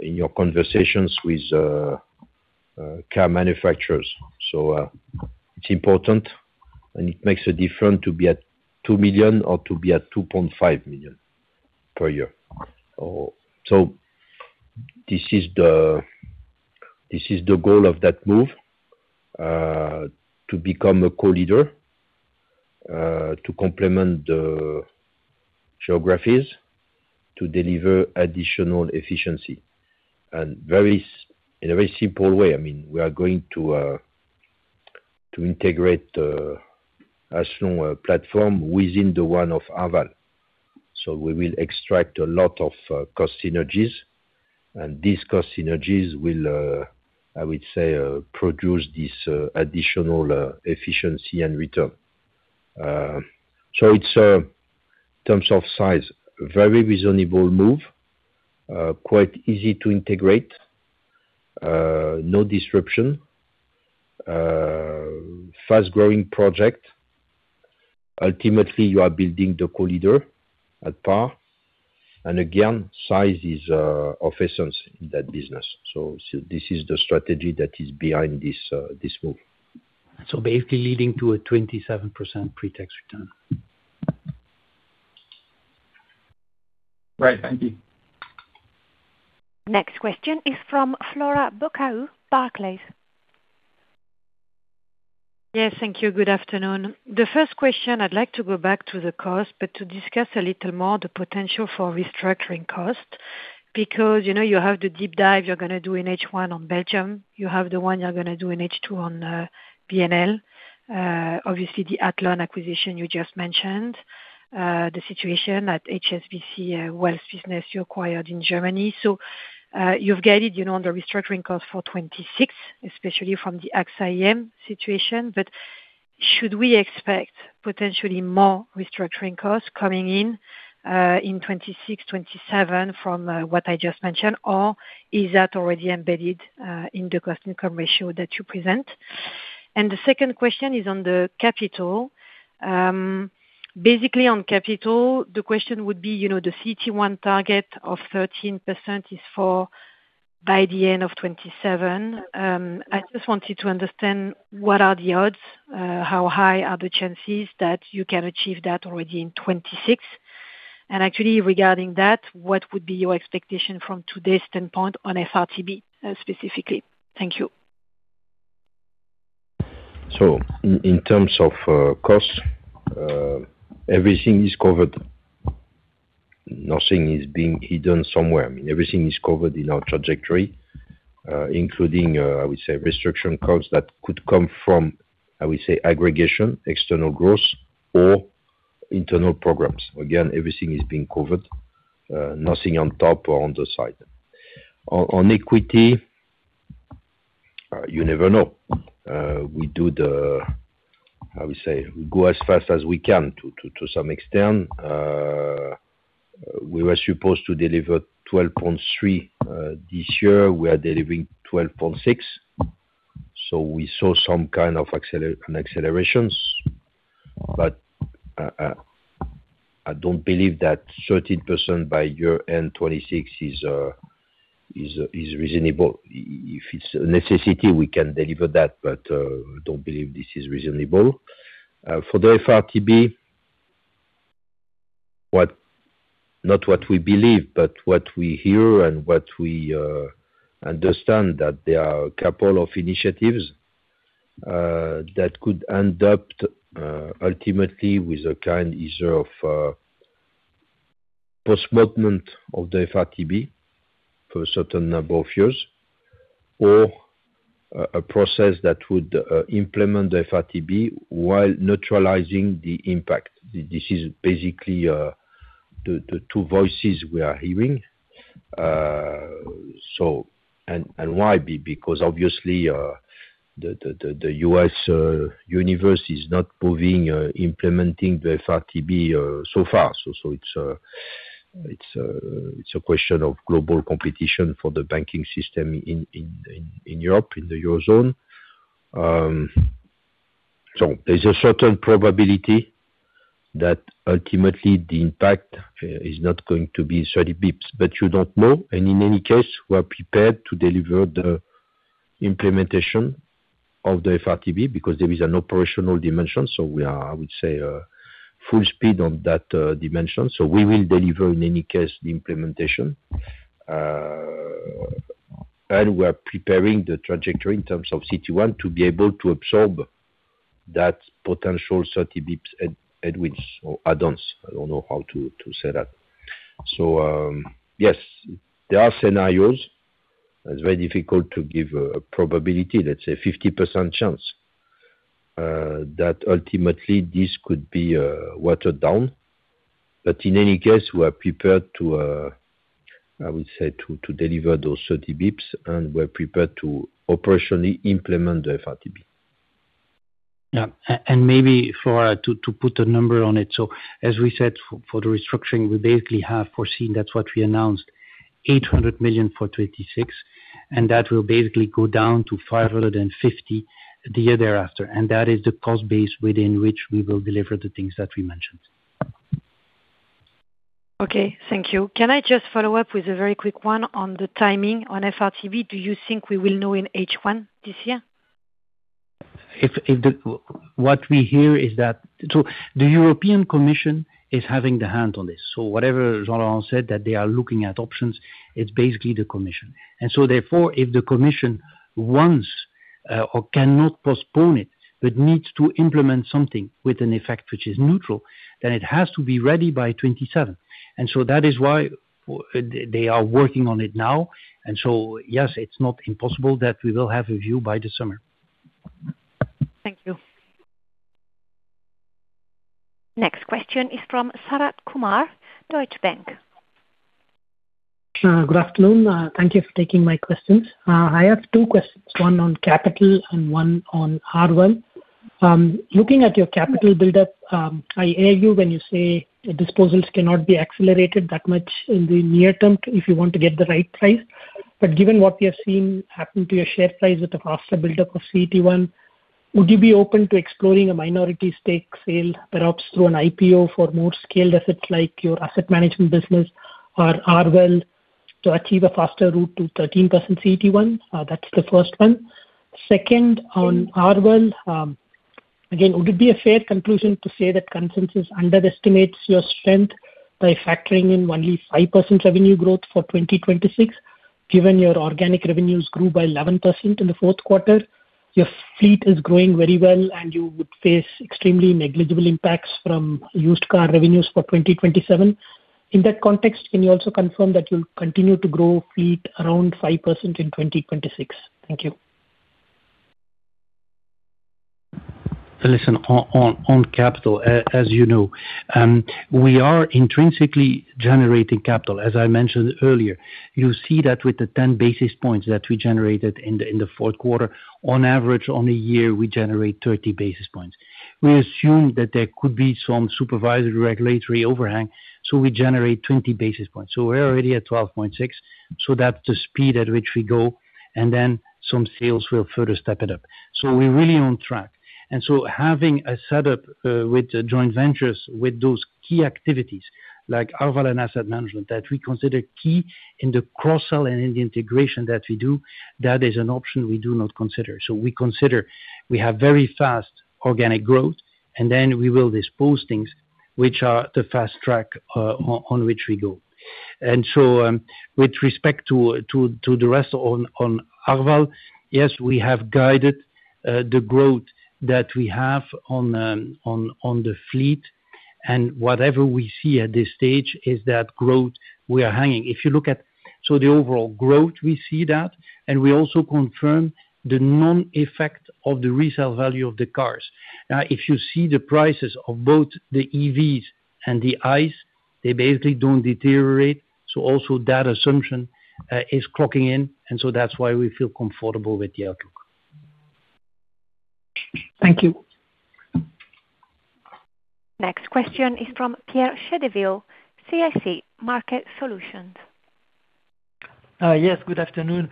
in your conversations with car manufacturers. So it's important, and it makes a difference to be at 2 million or to be at 2.5 million per year. So this is the goal of that move, to become a co-leader, to complement the geographies, to deliver additional efficiency in a very simple way. I mean, we are going to integrate Athlon platform within the one of Arval. So we will extract a lot of cost synergies. And these cost synergies will, I would say, produce this additional efficiency and return. So in terms of size, very reasonable move, quite easy to integrate, no disruption, fast-growing project. Ultimately, you are building the co-leader at par. And again, size is of essence in that business. So this is the strategy that is behind this move. So basically leading to a 27% pre-tax return. Right. Thank you. Next question is from Flora Bocahut, Barclays. Yes. Thank you. Good afternoon. The first question, I'd like to go back to the cost but to discuss a little more the potential for restructuring cost because you have the deep dive you're going to do in H1 on Belgium. You have the one you're going to do in H2 on BNL. Obviously, the Athlon acquisition you just mentioned, the situation at HSBC Wealth Business you acquired in Germany. So you've guided on the restructuring cost for 2026, especially from the AXA IM situation. But should we expect potentially more restructuring costs coming in in 2026, 2027 from what I just mentioned, or is that already embedded in the cost income ratio that you present? And the second question is on the capital. Basically, on capital, the question would be the CET1 target of 13% is for by the end of 2027. I just wanted to understand what are the odds, how high are the chances that you can achieve that already in 2026? And actually, regarding that, what would be your expectation from today's standpoint on FRTB specifically? Thank you. So in terms of cost, everything is covered. Nothing is being hidden somewhere. I mean, everything is covered in our trajectory, including, I would say, restructuring costs that could come from, I would say, aggregation, external growth, or internal programs. Again, everything is being covered. Nothing on top or on the side. On equity, you never know. We do the, how do we say? We go as fast as we can to some extent. We were supposed to deliver 12.3 this year. We are delivering 12.6. So we saw some kind of accelerations. But I don't believe that 13% by year-end 2026 is reasonable. If it's a necessity, we can deliver that, but I don't believe this is reasonable. For the FRTB, not what we believe, but what we hear and what we understand, that there are a couple of initiatives that could end up ultimately with a kind either of postmortem of the FRTB for a certain number of years or a process that would implement the FRTB while neutralizing the impact. This is basically the two voices we are hearing. And why? Because obviously, the U.S. universe is not moving, implementing the FRTB so far. So it's a question of global competition for the banking system in Europe, in the Eurozone. So there's a certain probability that ultimately, the impact is not going to be 30 basis points, but you don't know. And in any case, we are prepared to deliver the implementation of the FRTB because there is an operational dimension. So we are, I would say, full speed on that dimension. So we will deliver, in any case, the implementation. And we are preparing the trajectory in terms of CT1 to be able to absorb that potential 30 basis points advance or add-ons. I don't know how to say that. So yes, there are scenarios. It's very difficult to give a probability, let's say, 50% chance that ultimately, this could be watered down. But in any case, we are prepared to, I would say, to deliver those 30 basis points, and we are prepared to operationally implement the FRTB. Yeah. And maybe, Flora, to put a number on it. So as we said, for the restructuring, we basically have foreseen that's what we announced, 800 million for 2026, and that will basically go down to 550 million the year thereafter. And that is the cost base within which we will deliver the things that we mentioned. Okay. Thank you. Can I just follow up with a very quick one on the timing on FRTB? Do you think we will know in H1 this year? What we hear is that so the European Commission is having the hand on this. So whatever Jean-Laurent said, that they are looking at options, it's basically the Commission. And so therefore, if the Commission wants or cannot postpone it but needs to implement something with an effect which is neutral, then it has to be ready by 2027. And so that is why they are working on it now. And so yes, it's not impossible that we will have a view by the summer. Thank you. Next question is from Sharath Kumar, Deutsche Bank. Good afternoon. Thank you for taking my questions. I have two questions, one on capital and one on Arval. Looking at your capital buildup, I hear you when you say disposals cannot be accelerated that much in the near term if you want to get the right price. But given what we have seen happen to your share price with a faster buildup of CET1, would you be open to exploring a minority stake sale, perhaps through an IPO for more scaled assets like your asset management business or Arval, to achieve a faster route to 13% CET1? That's the first one. Second, on Arval, again, would it be a fair conclusion to say that consensus underestimates your strength by factoring in only 5% revenue growth for 2026? Given your organic revenues grew by 11% in the fourth quarter, your fleet is growing very well, and you would face extremely negligible impacts from used car revenues for 2027. In that context, can you also confirm that you'll continue to grow fleet around 5% in 2026? Thank you. Listen, on capital, as you know, we are intrinsically generating capital. As I mentioned earlier, you see that with the 10 basis points that we generated in the fourth quarter, on average, on a year, we generate 30 basis points. We assume that there could be some supervisory regulatory overhang, so we generate 20 basis points. So we're already at 12.6. So that's the speed at which we go. And then some sales will further step it up. So we're really on track. And so having a setup with joint ventures with those key activities like Arval and asset management that we consider key in the cross-sell and in the integration that we do, that is an option we do not consider. So we consider we have very fast organic growth, and then we will dispose things, which are the fast track on which we go. And so with respect to the rest on Arval, yes, we have guided the growth that we have on the fleet. And whatever we see at this stage is that growth we are hanging. If you look at so the overall growth, we see that. And we also confirm the non-effect of the resale value of the cars. Now, if you see the prices of both the EVs and the ICEs, they basically don't deteriorate. So also, that assumption is clocking in. And so that's why we feel comfortable with the outlook. Thank you. Next question is from Pierre Chédeville, CIC Market Solutions. Yes. Good afternoon.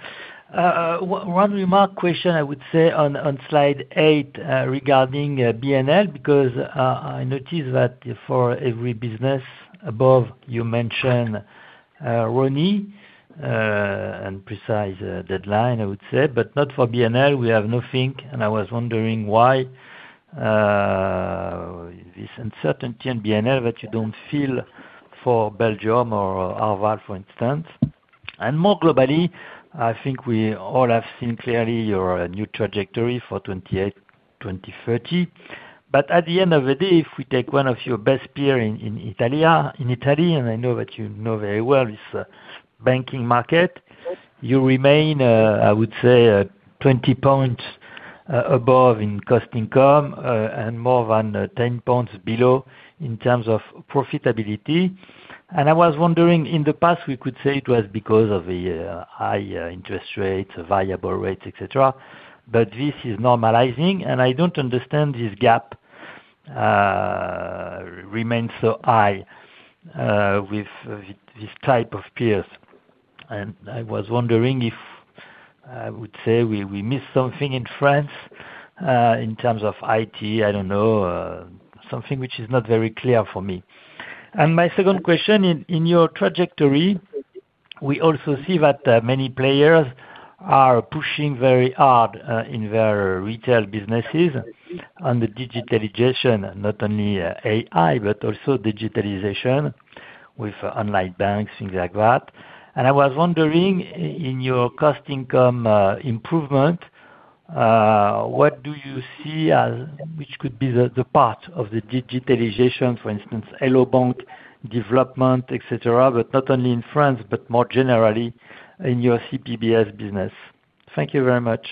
One remark question, I would say, on slide 8 regarding BNL because I noticed that for every business above, you mentioned Roni and precise deadline, I would say. But not for BNL. We have nothing. I was wondering why this uncertainty in BNL that you don't feel for Belgium or Arval, for instance. More globally, I think we all have seen clearly your new trajectory for 2028, 2030. But at the end of the day, if we take one of your best peers in Italy and I know that you know very well this banking market, you remain, I would say, 20 points above in cost-income and more than 10 points below in terms of profitability. I was wondering, in the past, we could say it was because of the high interest rates, variable rates, etc. But this is normalizing. I don't understand this gap remains so high with this type of peers. I was wondering if I would say we miss something in France in terms of IT. I don't know, something which is not very clear for me. And my second question, in your trajectory, we also see that many players are pushing very hard in their retail businesses on the digitalization, not only AI but also digitalization with online banks, things like that. And I was wondering, in your cost income improvement, what do you see as which could be the part of the digitalization, for instance, Hello bank! development, etc., but not only in France but more generally in your CPBS business? Thank you very much.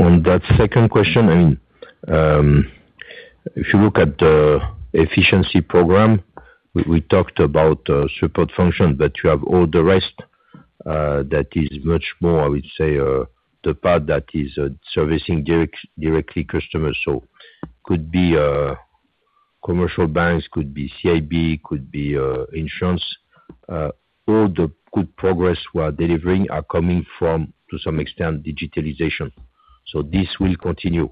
On that second question, I mean, if you look at the efficiency program, we talked about support function, but you have all the rest that is much more, I would say, the part that is servicing directly customers. So it could be commercial banks, could be CIB, could be insurance. All the good progress we are delivering are coming from, to some extent, digitalization. So this will continue.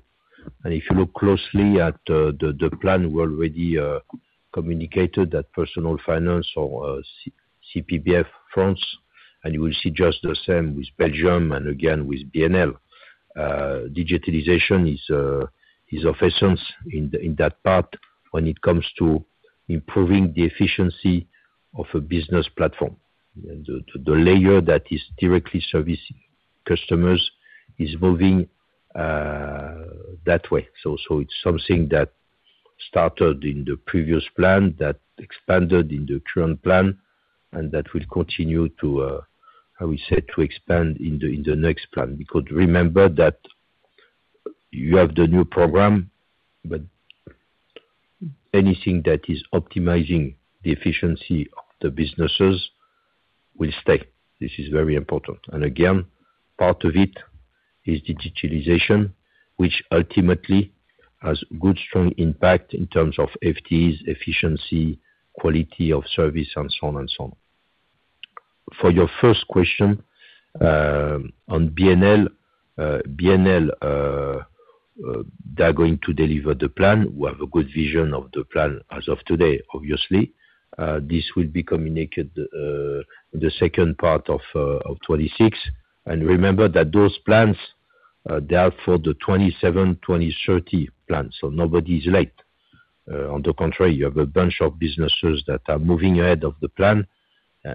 If you look closely at the plan, we already communicated that personal finance or CPBS France, and you will see just the same with Belgium and again with BNL. Digitalization is of essence in that part when it comes to improving the efficiency of a business platform. The layer that is directly servicing customers is moving that way. So it's something that started in the previous plan that expanded in the current plan and that will continue to, I would say, to expand in the next plan because remember that you have the new program, but anything that is optimizing the efficiency of the businesses will stay. This is very important. And again, part of it is digitalization, which ultimately has good, strong impact in terms of FTEs, efficiency, quality of service, and so on and so on. For your first question on BNL, BNL, they are going to deliver the plan. We have a good vision of the plan as of today, obviously. This will be communicated in the second part of 2026. And remember that those plans, they are for the 2027, 2030 plans, so nobody is late. On the contrary, you have a bunch of businesses that are moving ahead of the plan,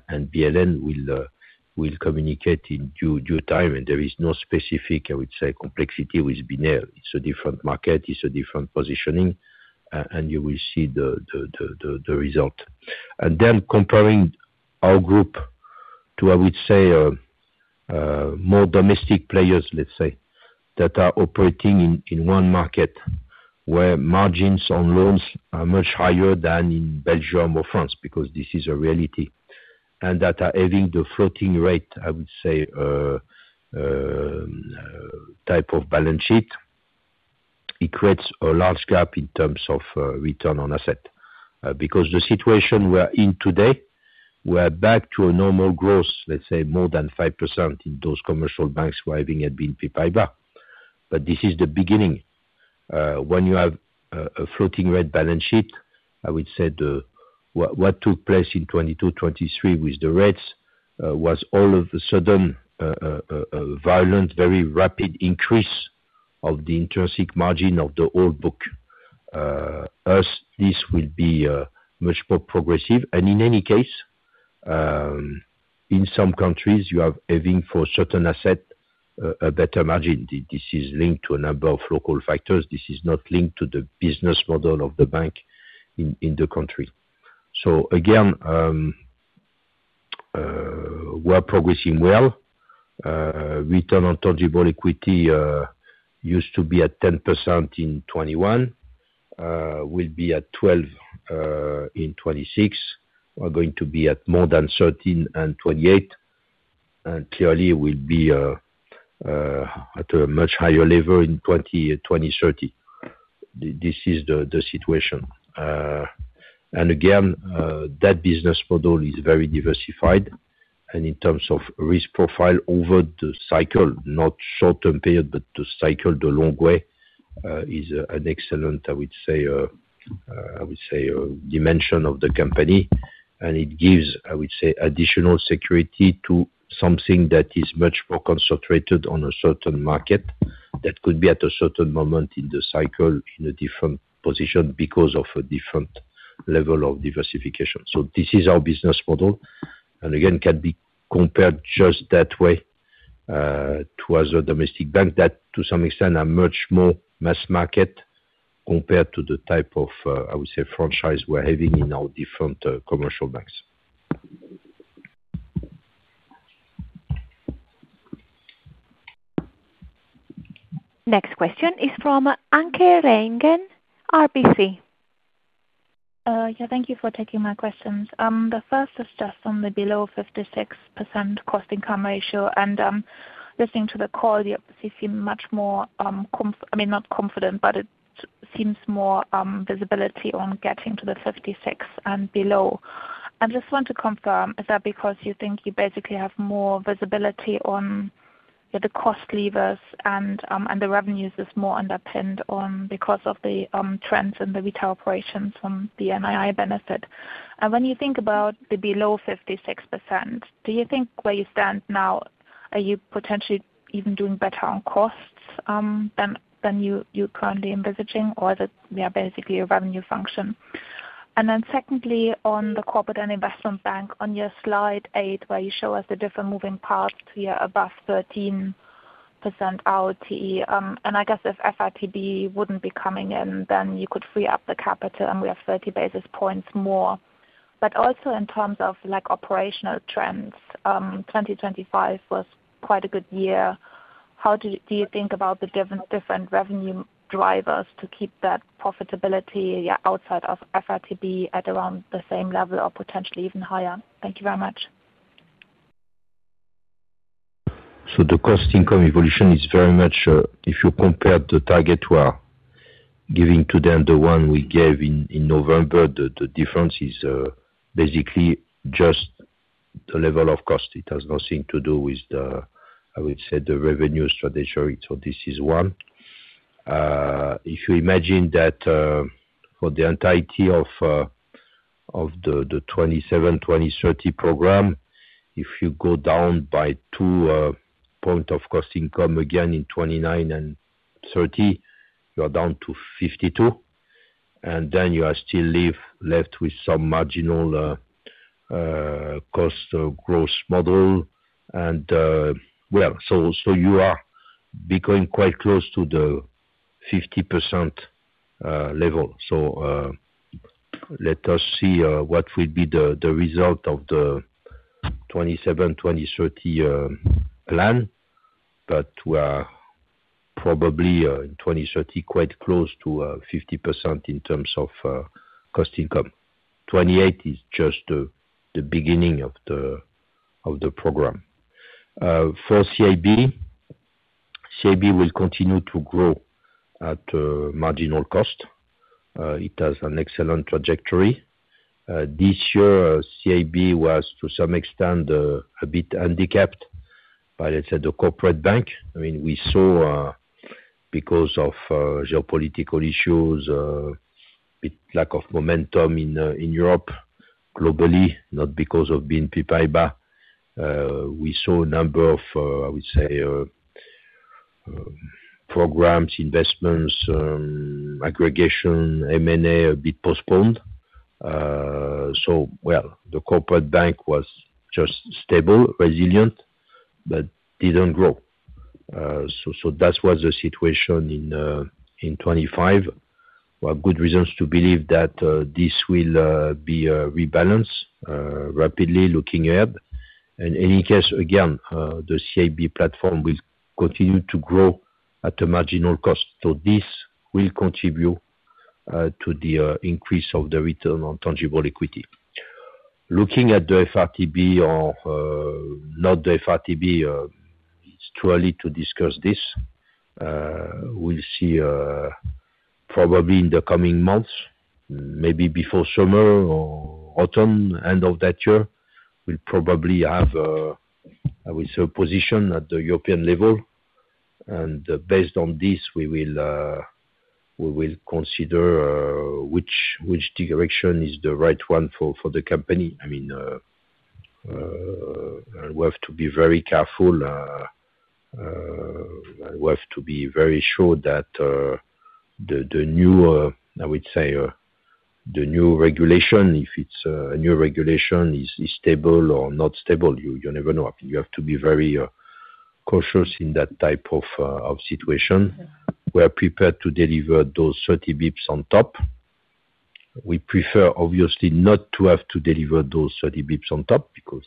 and BNL will communicate in due time. And there is no specific, I would say, complexity with BNL. It's a different market. It's a different positioning. And you will see the result. Then comparing our group to, I would say, more domestic players, let's say, that are operating in one market where margins on loans are much higher than in Belgium or France because this is a reality and that are having the floating rate, I would say, type of balance sheet, it creates a large gap in terms of return on asset. Because the situation we are in today, we are back to a normal growth, let's say, more than 5% in those commercial banks we're having at BNP Paribas. But this is the beginning. When you have a floating rate balance sheet, I would say what took place in 2022, 2023 with the rates was all of a sudden violent, very rapid increase of the intrinsic margin of the old book. For us, this will be much more progressive. In any case, in some countries, you are having for certain assets a better margin. This is linked to a number of local factors. This is not linked to the business model of the bank in the country. So again, we are progressing well. Return on tangible equity used to be at 10% in 2021, will be at 12% in 2026, we're going to be at more than 13% and 28%, and clearly, we'll be at a much higher level in 2030. This is the situation. And again, that business model is very diversified. And in terms of risk profile over the cycle, not short-term period, but the cycle, the long way, is an excellent, I would say, dimension of the company. It gives, I would say, additional security to something that is much more concentrated on a certain market that could be at a certain moment in the cycle in a different position because of a different level of diversification. This is our business model. Again, can be compared just that way to other domestic banks that, to some extent, are much more mass market compared to the type of, I would say, franchise we're having in our different commercial banks. Next question is from Anke Reingen, RBC. Yeah. Thank you for taking my questions. The first is just on the below 56% cost-income ratio. And listening to the call, you obviously seem much more I mean, not confident, but it seems more visibility on getting to the 56% and below. I just want to confirm, is that because you think you basically have more visibility on the cost levers and the revenues is more underpinned because of the trends in the retail operations from the NII benefit? And when you think about the below 56%, do you think where you stand now, are you potentially even doing better on costs than you're currently envisaging, or is it, yeah, basically a revenue function? And then secondly, on the corporate and investment bank, on your slide 8 where you show us the different moving parts, we are above 13% ROTE. And I guess if FRTB wouldn't be coming in, then you could free up the capital, and we have 30 basis points more. But also, in terms of operational trends, 2025 was quite a good year. How do you think about the different revenue drivers to keep that profitability, yeah, outside of FICC at around the same level or potentially even higher? Thank you very much. So the cost-income evolution is very much if you compare the target we are giving to them, the one we gave in November, the difference is basically just the level of cost. It has nothing to do with, I would say, the revenue strategy. So this is one. If you imagine that for the entirety of the 2027, 2030 program, if you go down by two points of cost-income again in 2029 and 2030, you are down to 52%. And then you are still left with some marginal cost growth model. And well, so you are becoming quite close to the 50% level. So let us see what will be the result of the 2027, 2030 plan. But we are probably in 2030 quite close to 50% in terms of cost income. 2028 is just the beginning of the program. For CIB, CIB will continue to grow at marginal cost. It has an excellent trajectory. This year, CIB was, to some extent, a bit handicapped by, let's say, the corporate bank. I mean, we saw, because of geopolitical issues, a bit lack of momentum in Europe, globally, not because of BNP Paribas. We saw a number of, I would say, programs, investments, aggregation, M&A a bit postponed. So well, the corporate bank was just stable, resilient, but didn't grow. So that was the situation in 2025. We have good reasons to believe that this will be rebalanced rapidly looking ahead. And in any case, again, the CIB platform will continue to grow at a marginal cost. So this will contribute to the increase of the return on tangible equity. Looking at the FRTB or not the FRTB, it's too early to discuss this. We'll see probably in the coming months, maybe before summer or autumn, end of that year, we'll probably have, I would say, a position at the European level. And based on this, we will consider which direction is the right one for the company. I mean, we have to be very careful. We have to be very sure that the new, I would say, the new regulation, if it's a new regulation, is stable or not stable. You never know. I mean, you have to be very cautious in that type of situation. We are prepared to deliver those 30 basis points on top. We prefer, obviously, not to have to deliver those 30 basis points on top because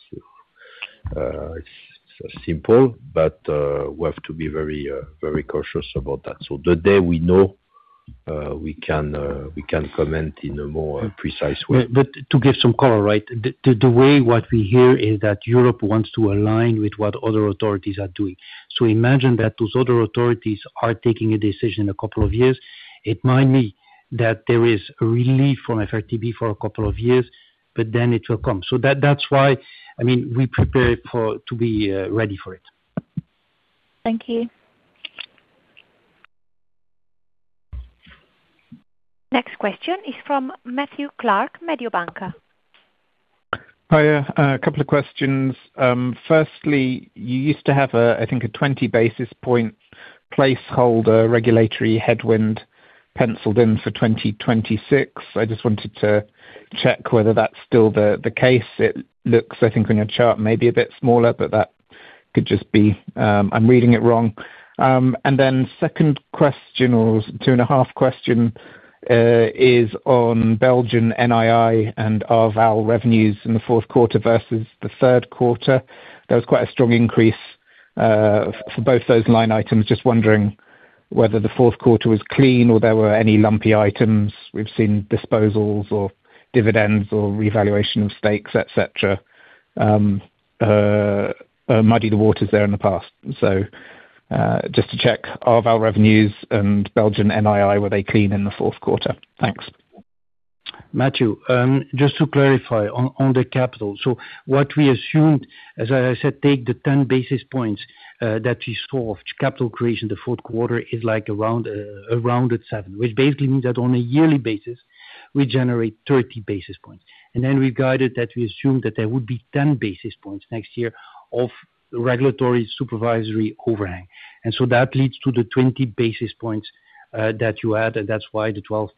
it's simple. But we have to be very cautious about that. So the day we know, we can comment in a more precise way. But to give some color, right, the way what we hear is that Europe wants to align with what other authorities are doing. So imagine that those other authorities are taking a decision in a couple of years. It might be that there is relief from FRTB for a couple of years, but then it will come. So that's why, I mean, we prepare to be ready for it. Thank you. Next question is from Matthew Clark, Mediobanca. Hi. A couple of questions. Firstly, you used to have, I think, a 20 basis point placeholder regulatory headwind penciled in for 2026. I just wanted to check whether that's still the case. It looks, I think, on your chart maybe a bit smaller, but that could just be I'm reading it wrong. Then the second question or 2.5-question is on Belgian NII and Arval revenues in the fourth quarter versus the third quarter. There was quite a strong increase for both those line items. Just wondering whether the fourth quarter was clean or there were any lumpy items. We've seen disposals or dividends or revaluation of stakes, etc., muddy the waters there in the past. So just to check, Arval revenues and Belgian NII, were they clean in the fourth quarter? Thanks. Matthew, just to clarify on the capital. So what we assumed, as I said, take the 10 basis points that we saw of capital creation the fourth quarter is around at 7, which basically means that on a yearly basis, we generate 30 basis points. And then we've guided that we assumed that there would be 10 basis points next year of regulatory supervisory overhang. And so that leads to the 20 basis points that you had, and that's why the 12.6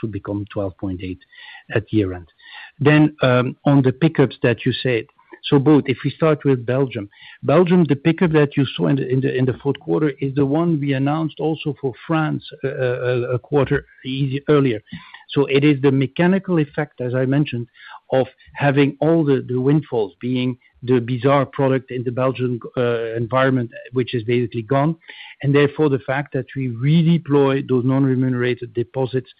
should become 12.8 at year-end. Then on the pickups that you said. So both, if we start with Belgium, Belgium, the pickup that you saw in the fourth quarter is the one we announced also for France a quarter earlier. So it is the mechanical effect, as I mentioned, of having all the windfalls being the bizarre product in the Belgian environment, which is basically gone, and therefore the fact that we redeploy those non-remunerated deposits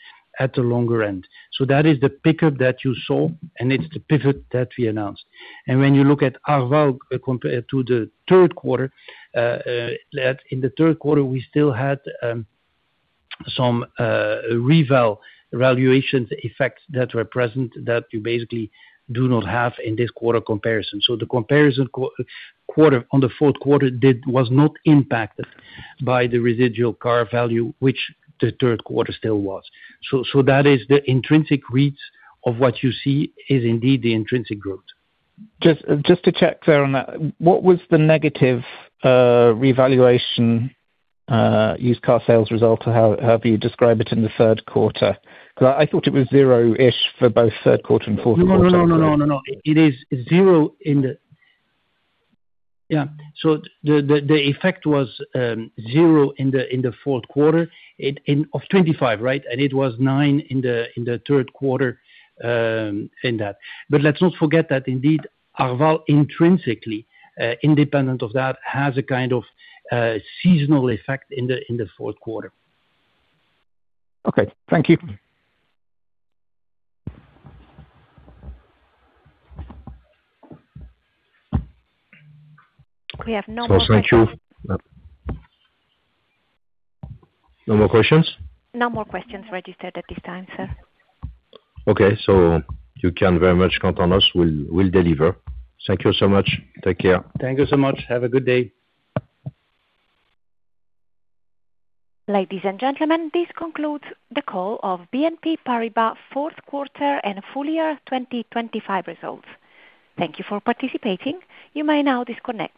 at the longer end. So that is the pickup that you saw, and it's the pivot that we announced. And when you look at Arval compared to the third quarter, in the third quarter, we still had some revaluation effects that were present that you basically do not have in this quarter comparison. So the comparison quarter on the fourth quarter was not impacted by the residual car value, which the third quarter still was. So that is the intrinsic reads of what you see is indeed the intrinsic growth. Just to check there on that, what was the negative revaluation used car sales result, however you describe it, in the third quarter? Because I thought it was zero-ish for both third quarter and fourth quarter. No, no, no, no, no, no, no. It is zero in the year. So the effect was zero in the fourth quarter of 2025, right? And it was 9% in the third quarter in that. Let's not forget that, indeed, Arval intrinsically, independent of that, has a kind of seasonal effect in the fourth quarter. Okay. Thank you. We have no more questions. Thank you. No more questions? No more questions registered at this time, sir. Okay. You can very much count on us. We'll deliver. Thank you so much. Take care. Thank you so much. Have a good day. Ladies and gentlemen, this concludes the call of BNP Paribas Fourth Quarter and Full Year 2025 Results. Thank you for participating. You may now disconnect.